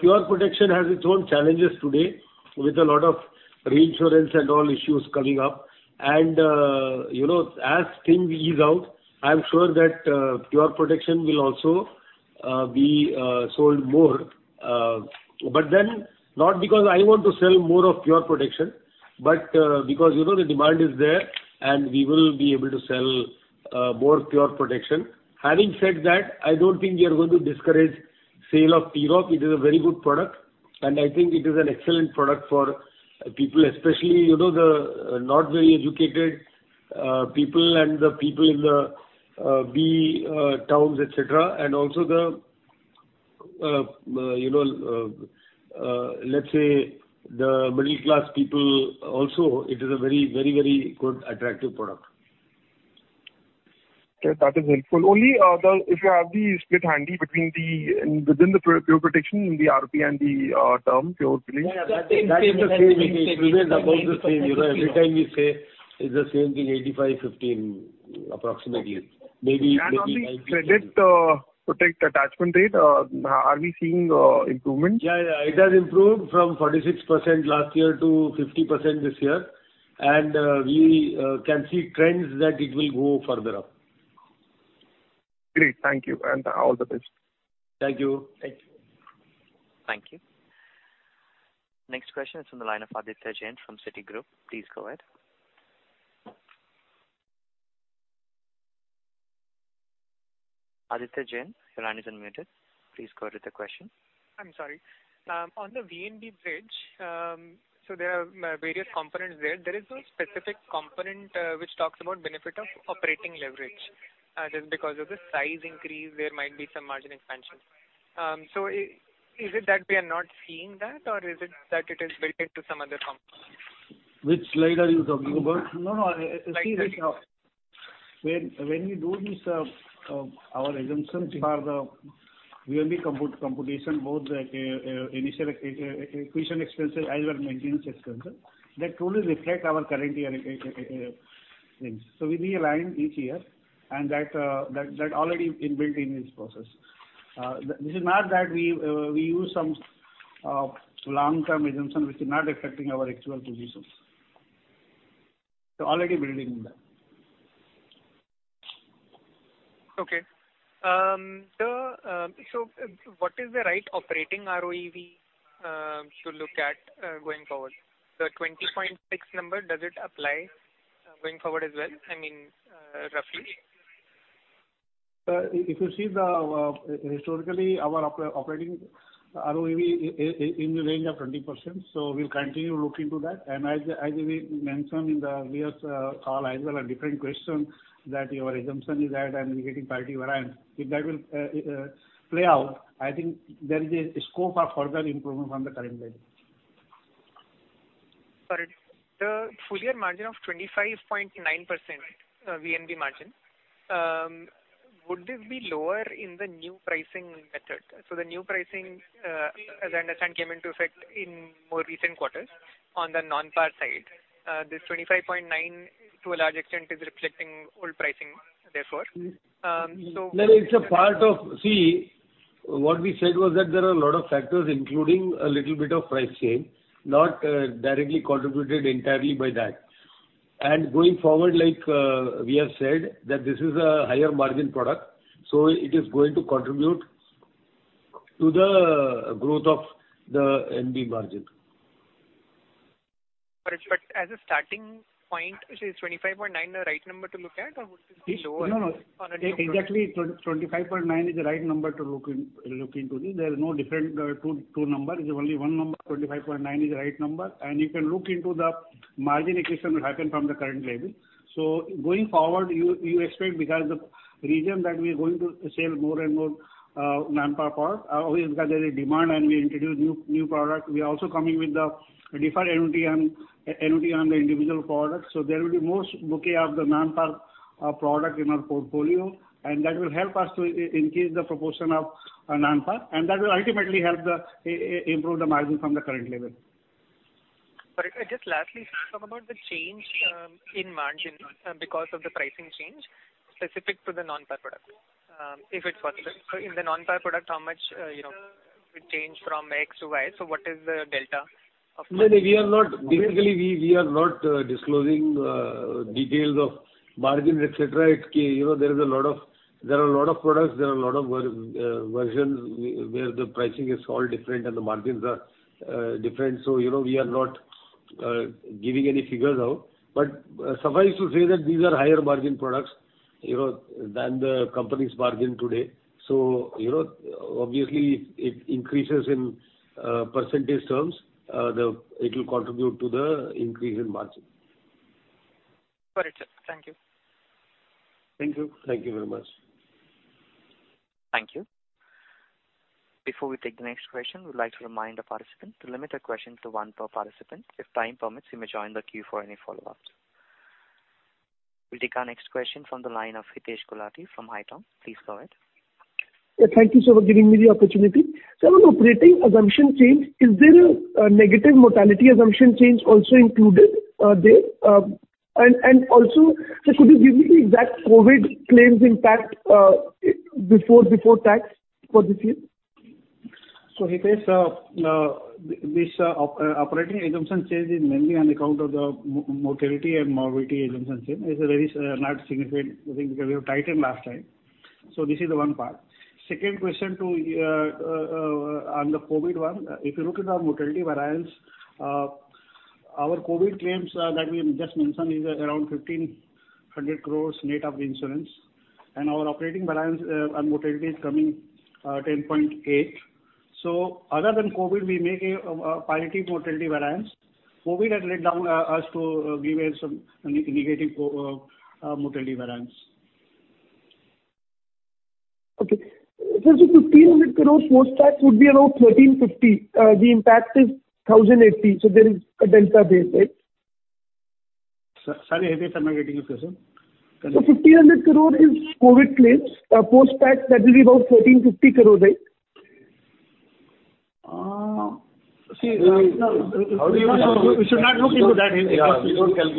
Pure protection has its own challenges today with a lot of reinsurance and all issues coming up. You know, as things ease out, I am sure that pure protection will also be sold more. Not because I want to sell more of pure protection but, because, you know, the demand is there and we will be able to sell, more pure protection. Having said that, I don't think we are going to discourage sale of TROP. It is a very good product and I think it is an excellent product for people especially, you know, the not very educated, people and the people in the B towns et cetera. Also the, you know, let's say the middle class people also it is a very good attractive product. Okay. That is helpful. Only, if you have the split handy between the, within the pure protection, the RPN, the term pure please. Yeah. That is the same thing. It's always about the same. You know, every time we say it's the same thing, 85-15 approximately. Maybe 90-10. On the credit protection attachment rate, are we seeing improvement? Yeah. It has improved from 46% last year to 50% this year. We can see trends that it will go further up. Great. Thank you and all the best. Thank you. Thank you. Thank you. Next question is from the line of Aditya Jain from Citigroup. Please go ahead. Aditya Jain, your line is unmuted. Please go with the question. I'm sorry. On the VNB bridge, there are various components there. There is no specific component which talks about benefit of operating leverage. Just because of the size increase there might be some margin expansion. Is it that we are not seeing that or is it that it is built into some other component? Which slide are you talking about? No, no. See when we do this, our assumptions for the VNB computation, both initial acquisition expenses as well maintenance expense, that truly reflect our current year things. We realign each year and that already inbuilt in this process. This is not that we use some long-term assumption which is not affecting our actual positions. Already building that. What is the right operating RoEV to look at going forward? The 20.6% number, does it apply going forward as well? I mean, roughly. If you see historically our operating RoEV in the range of 20%. We'll continue looking to that. As we mentioned in the previous call as well, a different question that your assumption is that I'm getting parity variance. If that will play out, I think there is a scope of further improvement from the current level. Sorry. The full year margin of 25.9%, VNB margin, would this be lower in the new pricing method? The new pricing, as I understand, came into effect in more recent quarters on the non-par side. This 25.9% to a large extent is reflecting old pricing therefore. No, no. See, what we said was that there are a lot of factors, including a little bit of price change, not directly contributed entirely by that. Going forward like, we have said that this is a higher margin product, so it is going to contribute to the growth of the NB margin. As a starting point, is 25.9% the right number to look at or would this be lower product- No, no. Exactly 25.9% is the right number to look into this. There is no different two number. There's only one number. 25.9% is the right number. You can look into the margin expansion will happen from the current level. Going forward, you expect because the reason that we are going to sell more and more non-par product also because there's a demand and we introduce new product. We are also coming with the different non-par the individual products. There will be more bouquet of the non-par product in our portfolio, and that will help us to increase the proportion of non-par. That will ultimately help to improve the margin from the current level. Just lastly, sir, talk about the change in margin because of the pricing change specific to the non-par products, if it's possible. In the non-par product, how much, you know, it changed from X to Y, what is the delta of that? No, we are not. Basically, we are not disclosing details of margins, et cetera. You know, there are a lot of products, there are a lot of versions where the pricing is all different and the margins are different. You know, we are not giving any figures out. Suffice to say that these are higher margin products, you know, than the company's margin today. You know, obviously it increases in percentage terms, it will contribute to the increase in margin. Got it, sir. Thank you. Thank you. Thank you very much. Thank you. Before we take the next question, we'd like to remind the participant to limit their question to one per participant. If time permits, you may join the queue for any follow-ups. We'll take our next question from the line of Hitesh Gulati from Haitong. Please go ahead. Yeah, thank you, sir, for giving me the opportunity. On operating assumption change, is there a negative mortality assumption change also included there? Could you give me the exact COVID claims impact before tax for this year? Hitesh, this operating assumption change is mainly on account of the mortality and morbidity assumption change. It's a very not significant, I think, because we have tightened last time. This is the one part. Second question too on the COVID one. If you look at our mortality variance, our COVID claims that we just mentioned is around 1,500 net of reinsurance. Our operating variance on mortality is coming 10.8. Other than COVID, we make a positive mortality variance. COVID has led to some negative mortality variance. Sir, 1,500 post tax would be around 1,350. The impact is 1,080, so there is a delta there, right? Sorry, Hitesh, I'm not getting you, sir. 1,500 is COVID claims. Post-tax that will be about 1,350, right? We should not look into that impact.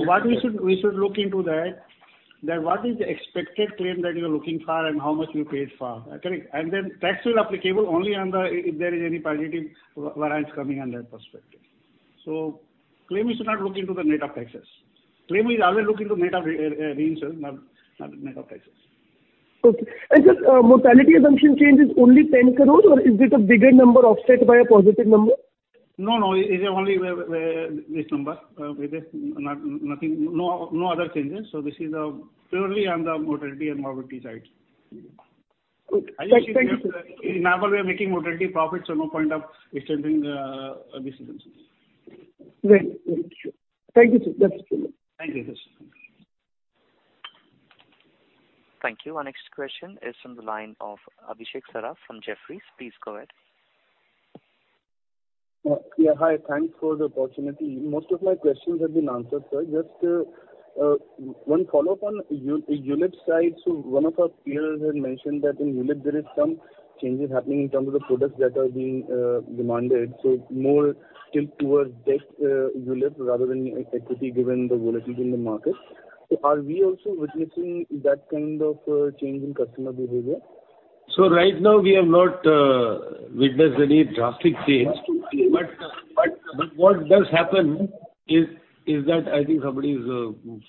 What we should look into that what is the expected claim that you are looking for and how much you paid for. Correct. Then tax will applicable only on the, if there is any positive variance coming on that perspective. Claim is to not look into the net of taxes. Claim is always look into net of reinsurance, not net of taxes. Okay. Sir, mortality assumption change is only 10 or is it a bigger number offset by a positive number? No. It is only this number. With this, nothing, no other changes. This is purely on the mortality and morbidity side. Okay. Thank you, sir. In normal we are making mortality profits, so no point of changing decisions. Great. Thank you, sir. That's clear. Thank you, Hitesh. Thank you. Our next question is from the line of Abhishek Saraf from Jefferies. Please go ahead. Yeah, hi. Thanks for the opportunity. Most of my questions have been answered, sir. Just one follow-up on ULIP side. One of our peers had mentioned that in ULIP there is some changes happening in terms of the products that are being demanded. More tilt towards debt ULIP rather than equity given the volatility in the market. Are we also witnessing that kind of change in customer behavior? Right now we have not witnessed any drastic change. I think somebody's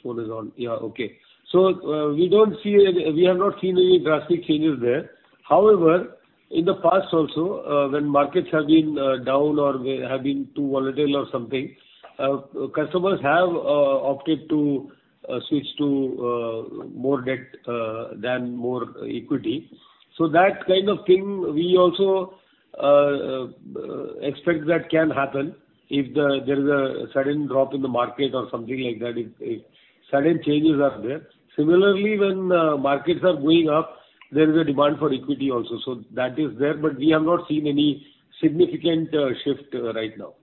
phone is on. Yeah, okay. We have not seen any drastic changes there. However, in the past also, when markets have been down or they have been too volatile or something, customers have opted to switch to more debt than more equity. That kind of thing we also expect that can happen if there is a sudden drop in the market or something like that, if sudden changes are there. Similarly, when markets are going up, there is a demand for equity also. That is there, but we have not seen any significant shift right now.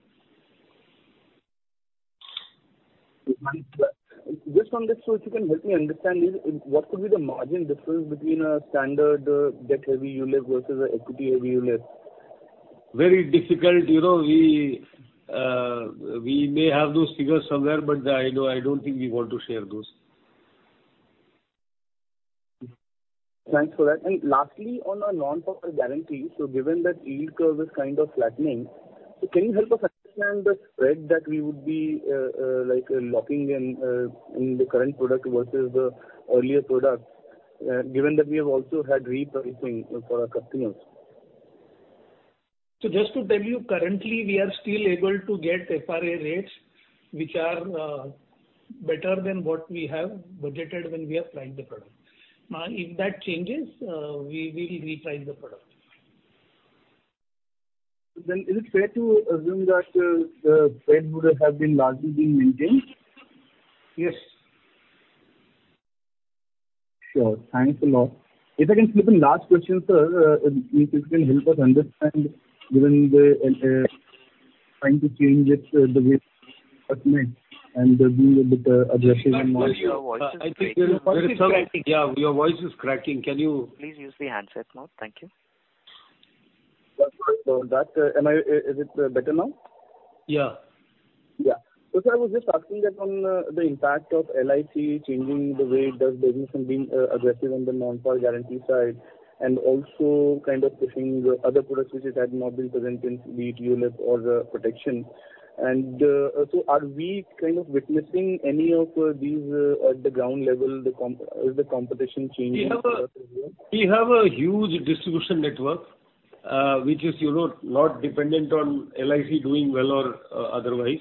Just on this, so if you can help me understand is what could be the margin difference between a standard debt-heavy ULIP versus a equity-heavy ULIP? Very difficult. You know, we may have those figures somewhere, but I don't think we want to share those. Thanks for that. Lastly, on a non-par guarantee, given that yield curve is kind of flattening, can you help us understand the spread that we would be like locking in in the current product versus the earlier product, given that we have also had repricing for our customers? Just to tell you, currently we are still able to get FRA rates which are better than what we have budgeted when we have priced the product. If that changes, we will reprice the product. Is it fair to assume that the price would have largely been maintained? Yes. Sure. Thanks a lot. If I can slip in last question, sir. If you can help us understand given the trying to change it the way and being a bit aggressive. Sir, your voice is cracking. I think there is some Your voice is cracking. Yeah, your voice is cracking. Please use the handset mode. Thank you. That's all. Is it better now? Yeah. Yeah. I was just asking that on the impact of LIC changing the way it does business and being aggressive on the non-par guarantee side, and also kind of pushing the other products which it had not been present in be it ULIP or the protection. Are we kind of witnessing any of these at the ground level, is the competition changing? We have a huge distribution network, which is, you know, not dependent on LIC doing well or otherwise.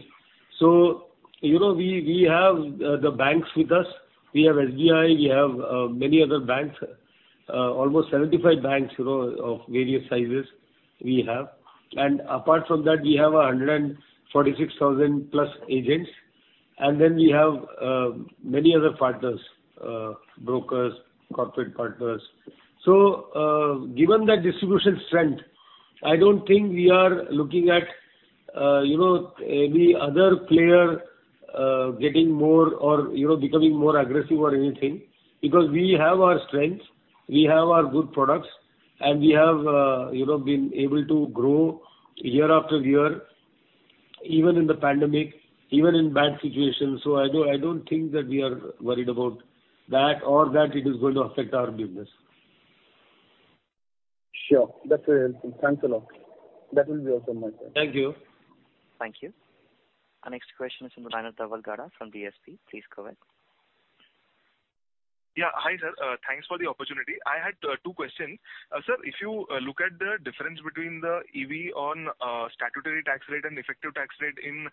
We have the banks with us. We have SBI, we have many other banks. Almost 75 banks, you know, of various sizes we have. Apart from that we have 146,000 plus agents, and then we have many other partners, brokers, corporate partners. Given that distribution strength, I don't think we are looking at, you know, any other player getting more or, you know, becoming more aggressive or anything because we have our strengths, we have our good products and we have, you know, been able to grow year after year, even in the pandemic, even in bad situations. I don't think that we are worried about that or that it is going to affect our business. Sure. That's helpful. Thanks a lot. That will be all from my side. Thank you. Thank you. Our next question is from Dhaval Gada from DSP. Please go ahead. Yeah. Hi, sir. Thanks for the opportunity. I had two questions. Sir, if you look at the difference between the EV on statutory tax rate and effective tax rate in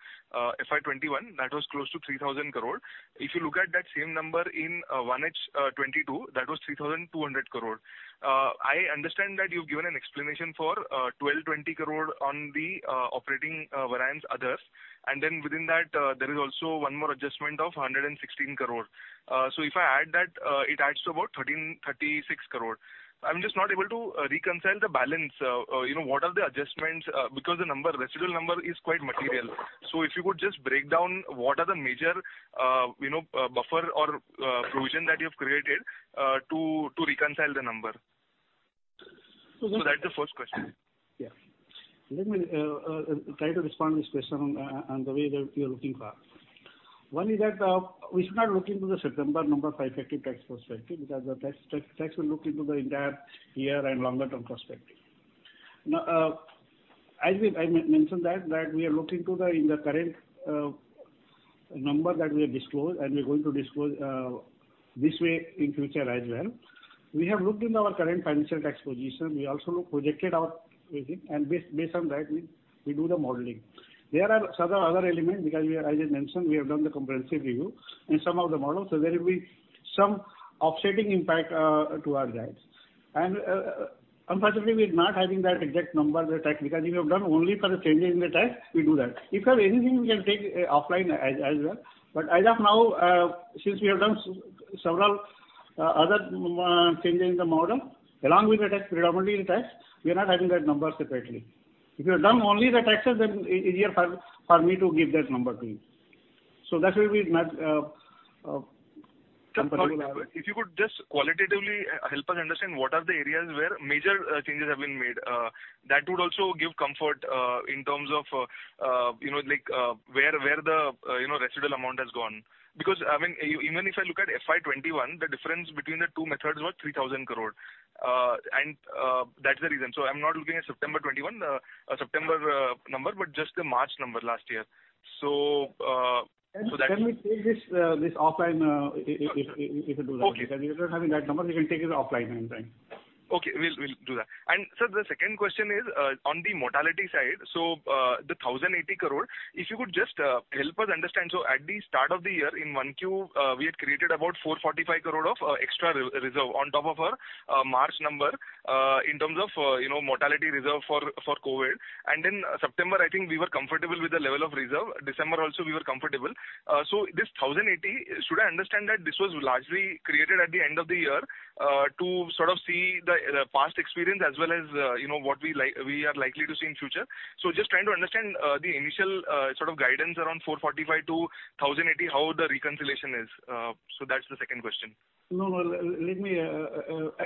FY 2021, that was close to 3,000. If you look at that same number in 1H 2022, that was 3,200. I understand that you've given an explanation for 1,220 on the operating variance others. Then within that, there is also one more adjustment of 116. So if I add that, it adds to about 1,336. I'm just not able to reconcile the balance. You know, what are the adjustments? Because the number, residual number is quite material. If you could just break down what are the major, you know, buffer or provision that you've created to reconcile the number? So let me- That's the first question. Let me try to respond to this question in the way that you're looking for. One is that we should not look into the September number for effective tax perspective because the tax will look into the entire year and longer term perspective. Now, as I mentioned, we are looking at the current number that we disclose and we're going to disclose this way in future as well. We have looked at our current financial tax position. We also looked at our projected, I think, and based on that we do the modeling. There are several other elements because, as I mentioned, we have done the comprehensive review in some of the models, so there will be some offsetting impact to our guidance. Unfortunately we're not having that exact number, the tax, because we have done only for the changes in the tax we do that. If you have anything we can take offline as well. As of now, since we have done several other changes in the model along with the tax, predominantly in tax, we are not having that number separately. If you have done only the taxes, then easier for me to give that number to you. That will be not. If you could just qualitatively help us understand what are the areas where major changes have been made. That would also give comfort in terms of you know like where the you know residual amount has gone. Because I mean even if I look at FY 2021 the difference between the two methods was 3,000 and that's the reason. I'm not looking at September 2021 number but just the March number last year. Can we take this offline, if you do that? Okay. Because if you're not having that number, we can take this offline anytime. Okay. We'll do that. Sir, the second question is on the mortality side. The 1,080, if you could just help us understand. At the start of the year in 1Q, we had created about 445 of extra reserve on top of our March number in terms of you know mortality reserve for COVID. In September, I think we were comfortable with the level of reserve. December also, we were comfortable. This 1,080, should I understand that this was largely created at the end of the year to sort of see the past experience as well as you know what we are likely to see in future? Just trying to understand the initial sort of guidance around 445-1,080, how the reconciliation is. That's the second question. No, let me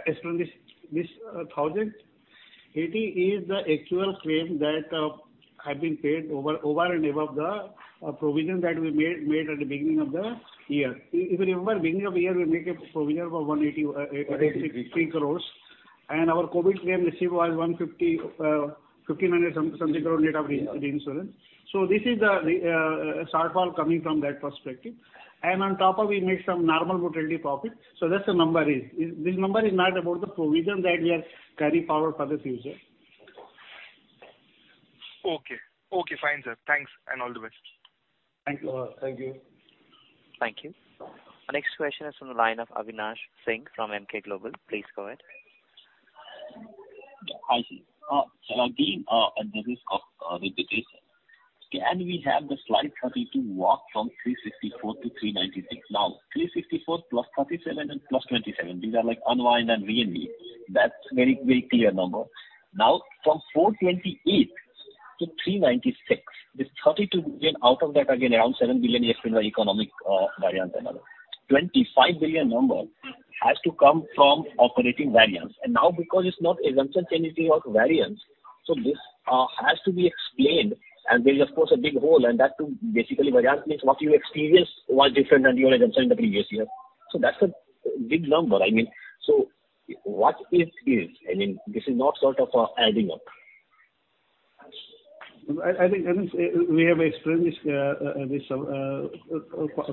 explain this. This 1,080 is the actual claim that have been paid over and above the provision that we made at the beginning of the year. If you remember, beginning of the year we make a provision for 183 and our COVID claim received was 150, 1,500 some net of the insurance. This is the shortfall coming from that perspective. On top of we made some normal mortality profit. That's the number. This number is not about the provision that we are carry forward for this future. Okay, fine, sir. Thanks and all the best. Thank you. Thank you. Thank you. Our next question is from the line of Avinash Singh from Emkay Global. Please go ahead. Hi. Being at the risk of repetition, can we have the slide 32 walk from 364- 396. Now, 364 plus 37 and plus 27, these are like unwind and VNB. That's very, very clear number. Now, from 428-396, this 32 billion, out of that again, around 7 billion is driven by economic variance and other. 25 billion number has to come from operating variance. Now because it's not assumption anything of variance, this has to be explained and there's of course a big hole and that too basically variance means what you experienced was different than you had assumed the previous year. That's a big number. I mean, so what is this? I mean, this is not sort of adding up. I think, I mean, we have explained this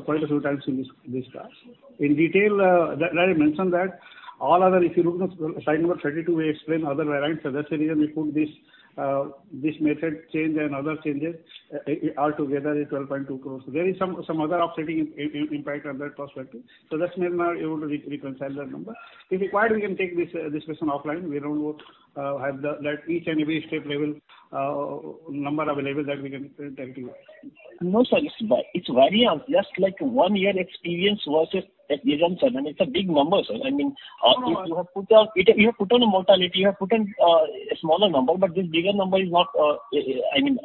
quite a few times in this class. In detail, did I mention that all other, if you look at slide number 32, we explain other variance. That's the reason we put this method change and other changes all together is 12.2. There is some other offsetting impact on that perspective. That's why we're not able to reconcile that number. If required, we can take this discussion offline. We don't have that each and every step level number available that we can tell to you. No, sir. It's variance. Just like one year experience versus assumption. I mean, it's a big number, sir. I mean, if you have put on a mortality, you have put on a smaller number, but this bigger number is not adding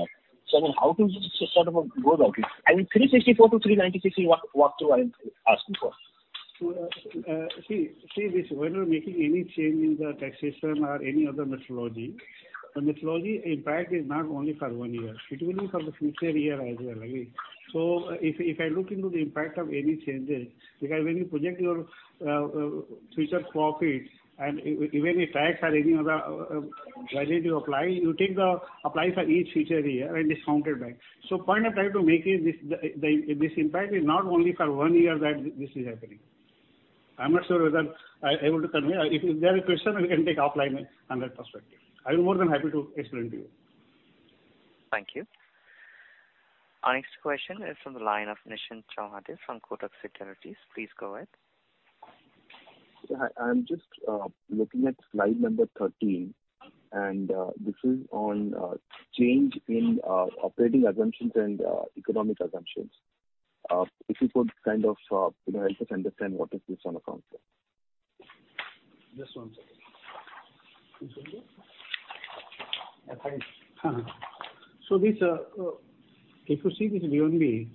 up. I mean, how to sort of go about it? I mean, 364-396 is what I'm asking for. See this, we're not making any change in the taxation or any other methodology. The methodology impact is not only for one year, it will be for the future year as well, agree? If I look into the impact of any changes, because when you project your future profits and even if tax or any other credit you apply, you take the apply for each future year and discount it back. Point I'm trying to make is this impact is not only for one year that this is happening. I'm not sure whether I able to convey. If there a question, we can take offline on that perspective. I'll be more than happy to explain to you. Thank you. Our next question is from the line of Nischint Chawathe from Kotak Securities. Please go ahead. Hi. I'm just looking at slide number 13, and this is on change in operating assumptions and economic assumptions. If you could kind of you know help us understand what is this on account sir? Just one second. Please hold on. Hi. If you see this VNB,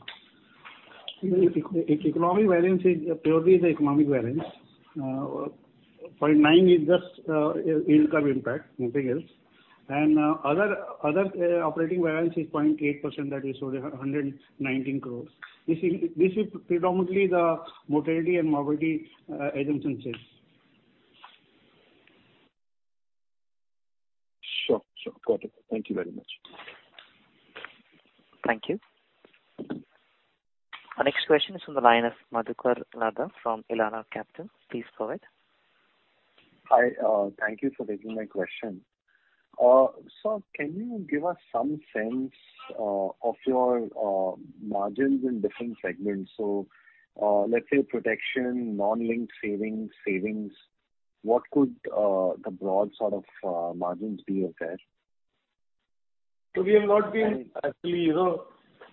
economic variance is purely the economic variance. 0.9% is just income impact, nothing else. Other operating variance is 0.8% that we showed, 119 crore. This is predominantly the mortality and morbidity assumptions. Sure, sure. Got it. Thank you very much. Thank you. Our next question is from the line of Madhukar Ladha from Elara Capital. Please go ahead. Hi. Thank you for taking my question. Can you give us some sense of your margins in different segments? Let's say protection, non-linked savings, what could the broad sort of margins be of that? We have not been actually, you know,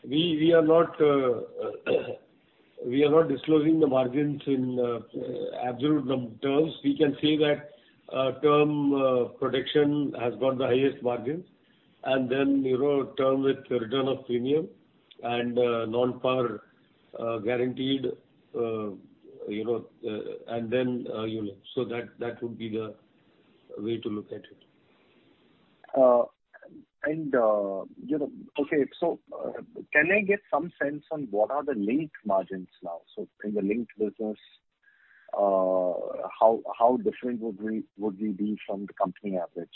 we are not disclosing the margins in absolute terms. We can say that term protection has got the highest margins. Then, you know, term with return of premium and non-par guaranteed, you know, and then, you know. That would be the way to look at it. You know, okay. Can I get some sense on what are the linked margins now? In the linked business, how different would we be from the company average?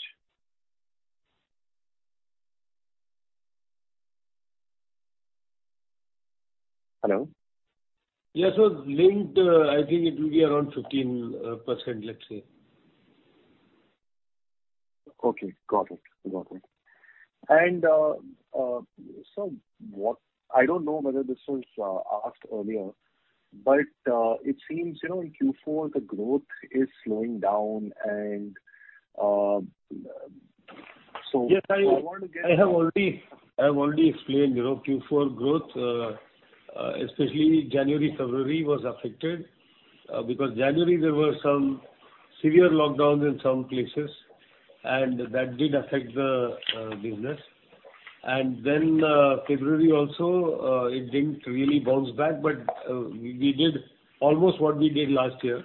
Hello? Yes. Linked, I think it will be around 15%, let's say. Okay. Got it. I don't know whether this was asked earlier, but it seems, you know, in Q4 the growth is slowing down. Yes, I have already explained, you know, Q4 growth, especially January, February was affected because January there were some severe lockdowns in some places, and that did affect the business. February also, it didn't really bounce back. We did almost what we did last year.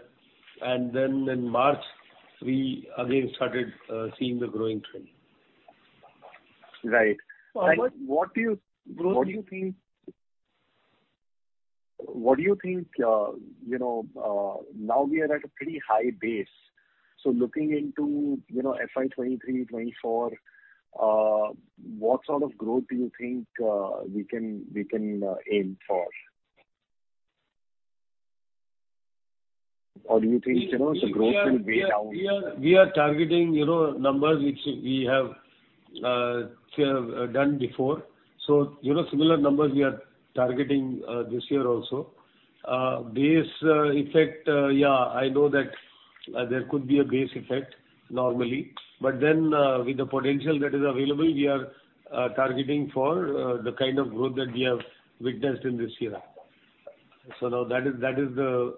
In March we again started seeing the growing trend. Right. What do you think, you know, now we are at a pretty high base. Looking into, you know, FY 2023, 2024, what sort of growth do you think we can aim for? Do you think, you know, the growth will weigh down? We are targeting, you know, numbers which we have done before. You know, similar numbers we are targeting this year also. Base effect, yeah, I know that there could be a base effect normally. With the potential that is available, we are targeting for the kind of growth that we have witnessed in this year. That is the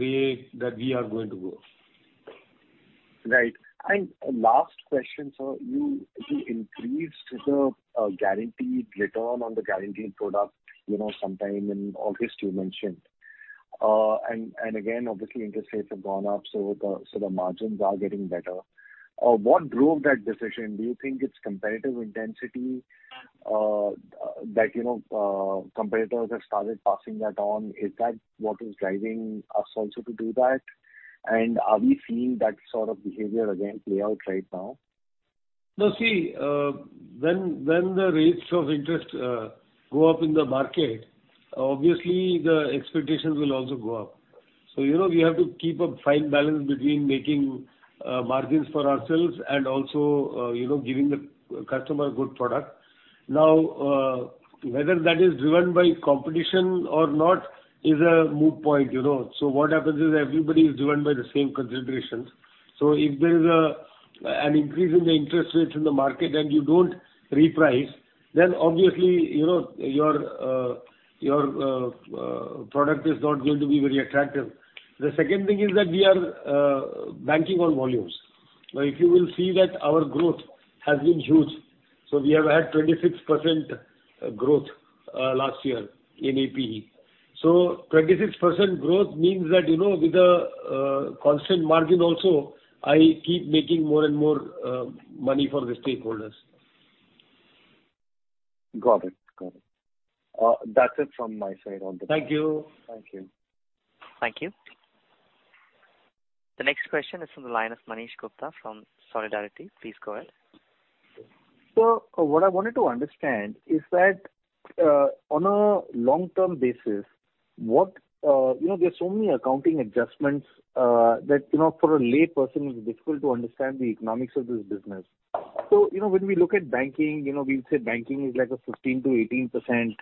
way that we are going to go. Right. Last question, sir. You increased the guaranteed return on the guaranteed product, you know, sometime in August you mentioned. Again, obviously interest rates have gone up, so the margins are getting better. What drove that decision? Do you think it's competitive intensity, that you know, competitors have started passing that on? Is that what is driving us also to do that? Are we seeing that sort of behavior again play out right now? No, see, when the rates of interest go up in the market, obviously the expectations will also go up. You know, we have to keep a fine balance between making margins for ourselves and also, you know, giving the customer a good product. Now, whether that is driven by competition or not is a moot point, you know. What happens is everybody is driven by the same considerations. If there is an increase in the interest rates in the market and you don't reprice, then obviously, you know, your product is not going to be very attractive. The second thing is that we are banking on volumes. Now, if you will see that our growth has been huge, so we have had 26% growth last year in APE. 26% growth means that, you know, with the constant margin also, I keep making more and more money for the stakeholders. Got it. That's it from my side on the. Thank you. Thank you. Thank you. The next question is from the line of Manish Gupta from Solidarity. Please go ahead. Sir, what I wanted to understand is that on a long-term basis, you know, there are so many accounting adjustments that you know, for a layperson it's difficult to understand the economics of this business. You know, when we look at banking, you know, we would say banking is like a 15%-18%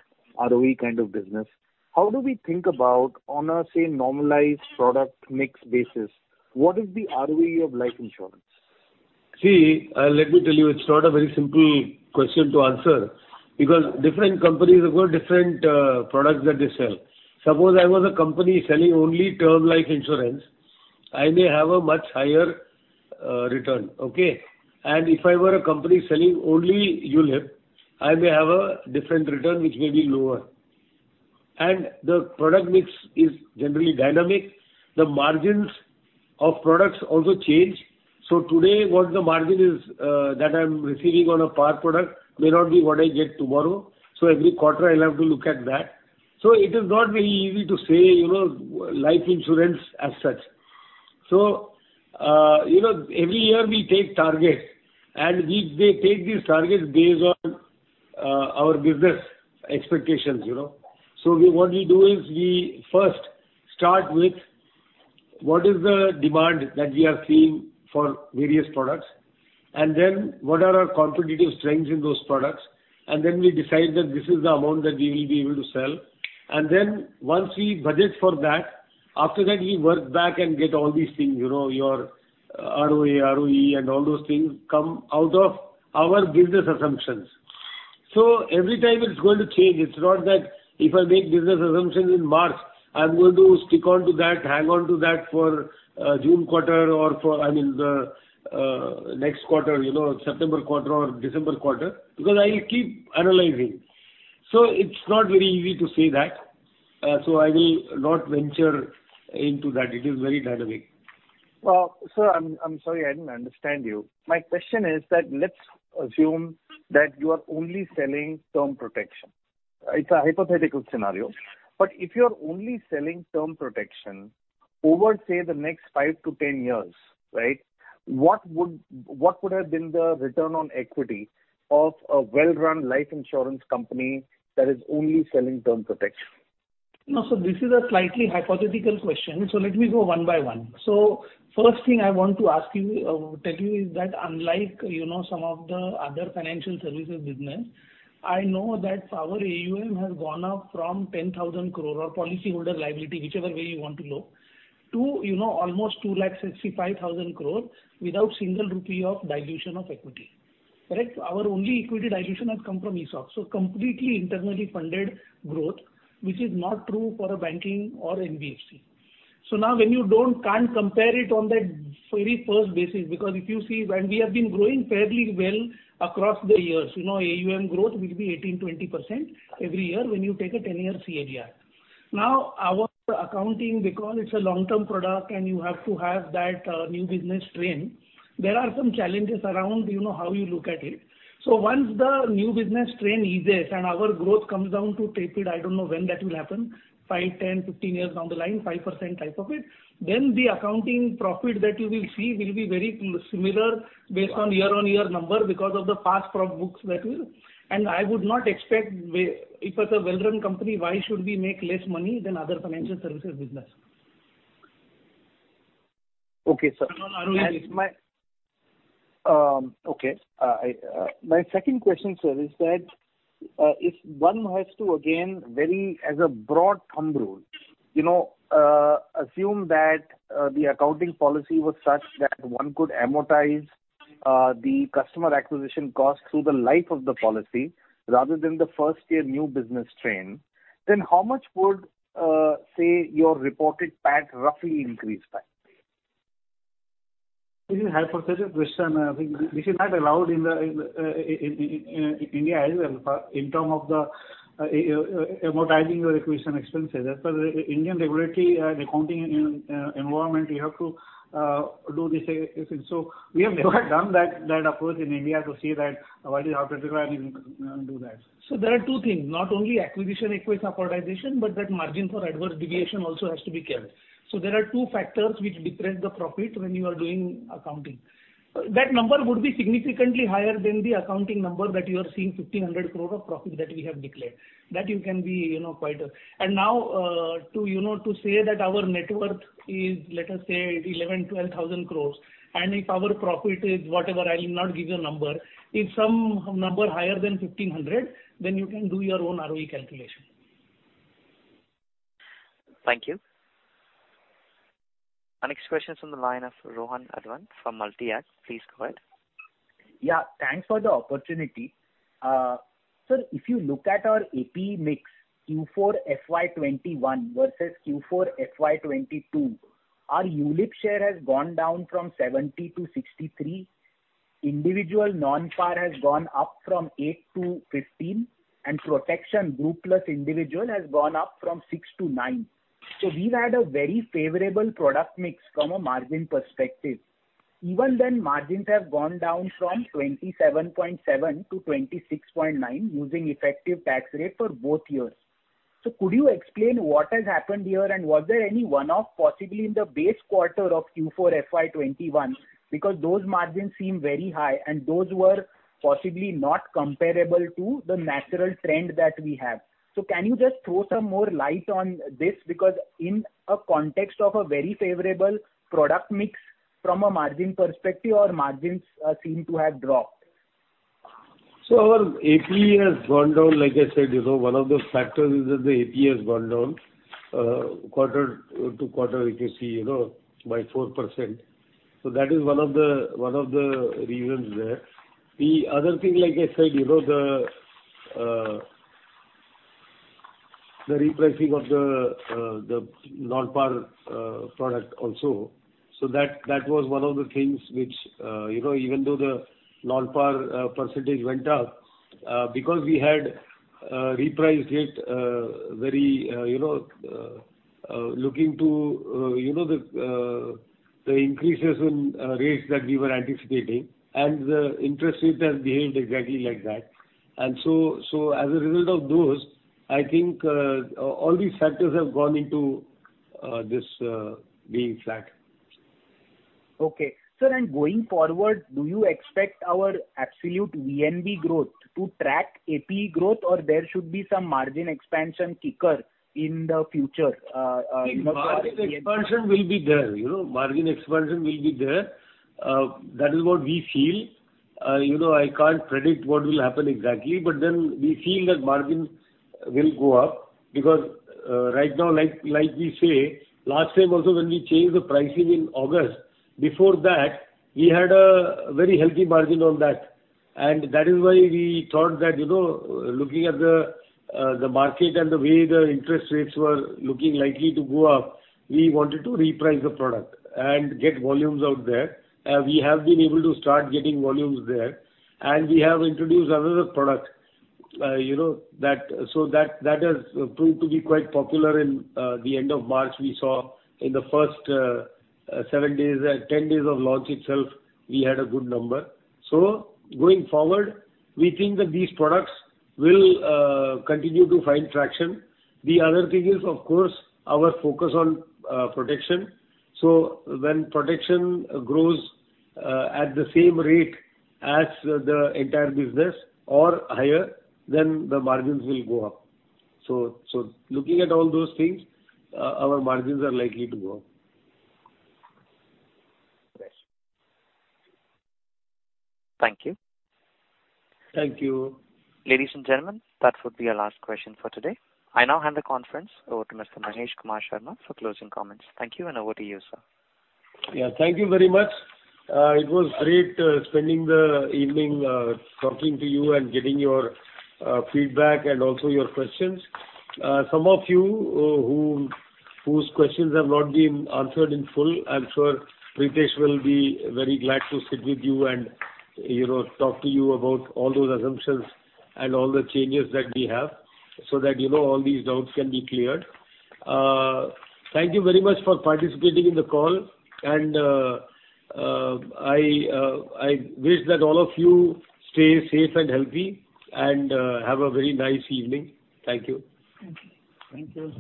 ROE kind of business. How do we think about on a, say, normalized product mix basis, what is the ROE of life insurance? See, let me tell you, it's not a very simple question to answer because different companies have got different products that they sell. Suppose I was a company selling only term life insurance, I may have a much higher return. Okay. If I were a company selling only ULIP, I may have a different return which may be lower. The product mix is generally dynamic. The margins of products also change. Today, what the margin is that I'm receiving on a par product may not be what I get tomorrow. Every quarter I'll have to look at that. It is not very easy to say, you know, life insurance as such. You know, every year we take targets, and we take these targets based on our business expectations, you know. We, what we do is we first start with what is the demand that we are seeing for various products, and then what are our competitive strengths in those products, and then we decide that this is the amount that we will be able to sell. Then once we budget for that, after that we work back and get all these things, you know, your ROA, ROE, and all those things come out of our business assumptions. Every time it's going to change. It's not that if I make business assumptions in March, I'm going to stick on to that, hang on to that for, June quarter or for, I mean, the, next quarter, you know, September quarter or December quarter, because I'll keep analyzing. It's not very easy to say that, so I will not venture into that. It is very dynamic. Well, sir, I'm sorry, I didn't understand you. My question is that let's assume that you are only selling term protection. It's a hypothetical scenario. If you are only selling term protection, over say the next 5 years-10 years, right, what would have been the return on equity of a well-run life insurance company that is only selling term protection? No, this is a slightly hypothetical question, so let me go one by one. First thing I want to ask you, tell you is that unlike, you know, some of the other financial services business, I know that our AUM has gone up from 10,000 or policyholder liability, whichever way you want to look, to, you know, almost 265,000 without single rupee of dilution of equity. Correct? Our only equity dilution has come from ESOP. Completely internally funded growth, which is not true for a banking or NBFC. Now when you don't, can't compare it on that very first basis, because if you see when we have been growing fairly well across the years, you know AUM growth will be 18%-20% every year when you take a 10-year CAGR. Our accounting, because it's a long-term product and you have to have that new business trend, there are some challenges around, you know, how you look at it. Once the new business trend eases and our growth comes down to tepid, I don't know when that will happen five, 10, 15 years down the line, 5% type of it, then the accounting profit that you will see will be very similar based on year-on-year number because of the past profit books that we have. I would not expect, if it's a well-run company, why should we make less money than other financial services business? Okay, sir. Okay. My second question, sir, is that, if one has to again, view as a broad thumb rule, you know, assume that, the accounting policy was such that one could amortize, the customer acquisition costs through the life of the policy rather than the first year new business expense, then how much would, say, your reported PAT roughly increase by? This is a hypothetical question. This is not allowed in India as well, in terms of the amortizing your acquisition expenses. As per the Indian regulatory, the accounting environment, we have to do this thing. We have never done that approach in India to see what is out there and do that. There are two things, not only acquisition costs amortization, but that margin for adverse deviation also has to be kept. There are two factors which depress the profit when you are doing accounting. That number would be significantly higher than the accounting number that you are seeing 1,500 of profit that we have declared. That you can be, you know, quite. Now, you know, to say that our net worth is, let us say 11,000-12,000, and if our profit is whatever, I will not give you a number. If some number higher than 1,500, then you can do your own ROE calculation. Thank you. Our next question is from the line of Rohan Advant from Multi-Act. Please go ahead. Yeah, thanks for the opportunity. If you look at our APE mix, Q4 FY 2021 versus Q4 FY 2022, our ULIP share has gone down from 70-63. Individual non-par has gone up from 8-15, and protection group plus individual has gone up from 6-9. We've had a very favorable product mix from a margin perspective. Even then, margins have gone down from 27.7%-26.9% using effective tax rate for both years. Could you explain what has happened here? Was there any one-off possibly in the base quarter of Q4 FY 2021? Because those margins seem very high, and those were possibly not comparable to the natural trend that we have. Can you just throw some more light on this? Because in a context of a very favorable product mix from a margin perspective, our margins seem to have dropped. Our APE has gone down, like I said, you know, one of the factors is that the APE has gone down quarter-over-quarter, you can see, you know, by 4%. That is one of the reasons there. The other thing, like I said, you know, the repricing of the non-par product also. That was one of the things which you know even though the non-par percentage went up because we had repriced it very you know looking to you know the increases in rates that we were anticipating and the interest rates has behaved exactly like that. So as a result of those, I think all these factors have gone into this being flat. Okay. Sir, going forward, do you expect our absolute VNB growth to track APE growth, or there should be some margin expansion kicker in the future? Margin expansion will be there. You know, margin expansion will be there. That is what we feel. You know, I can't predict what will happen exactly, but then we feel that margins will go up because, right now, like we say, last time also when we changed the pricing in August, before that we had a very healthy margin on that. That is why we thought that, you know, looking at the market and the way the interest rates were looking likely to go up, we wanted to reprice the product and get volumes out there. We have been able to start getting volumes there, and we have introduced another product, you know, that has proved to be quite popular in the end of March. We saw in the first seven days, 10 days of launch itself we had a good number. Going forward, we think that these products will continue to find traction. The other thing is, of course, our focus on protection. When protection grows at the same rate as the entire business or higher, then the margins will go up. Looking at all those things, our margins are likely to go up. Thanks. Thank you. Thank you. Ladies and gentlemen, that would be our last question for today. I now hand the conference over to Mr. Mahesh Kumar Sharma for closing comments. Thank you, and over to you, sir. Yeah, thank you very much. It was great, spending the evening, talking to you and getting your, feedback and also your questions. Some of you, who, whose questions have not been answered in full, I'm sure Ritesh will be very glad to sit with you and, you know, talk to you about all those assumptions and all the changes that we have so that you know all these doubts can be cleared. Thank you very much for participating in the call and, I wish that all of you stay safe and healthy and, have a very nice evening. Thank you. Thank you. Thank you.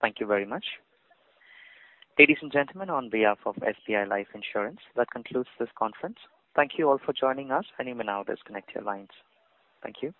Thank you very much. Ladies and gentlemen, on behalf of SBI Life Insurance, that concludes this conference. Thank you all for joining us and you may now disconnect your lines. Thank you.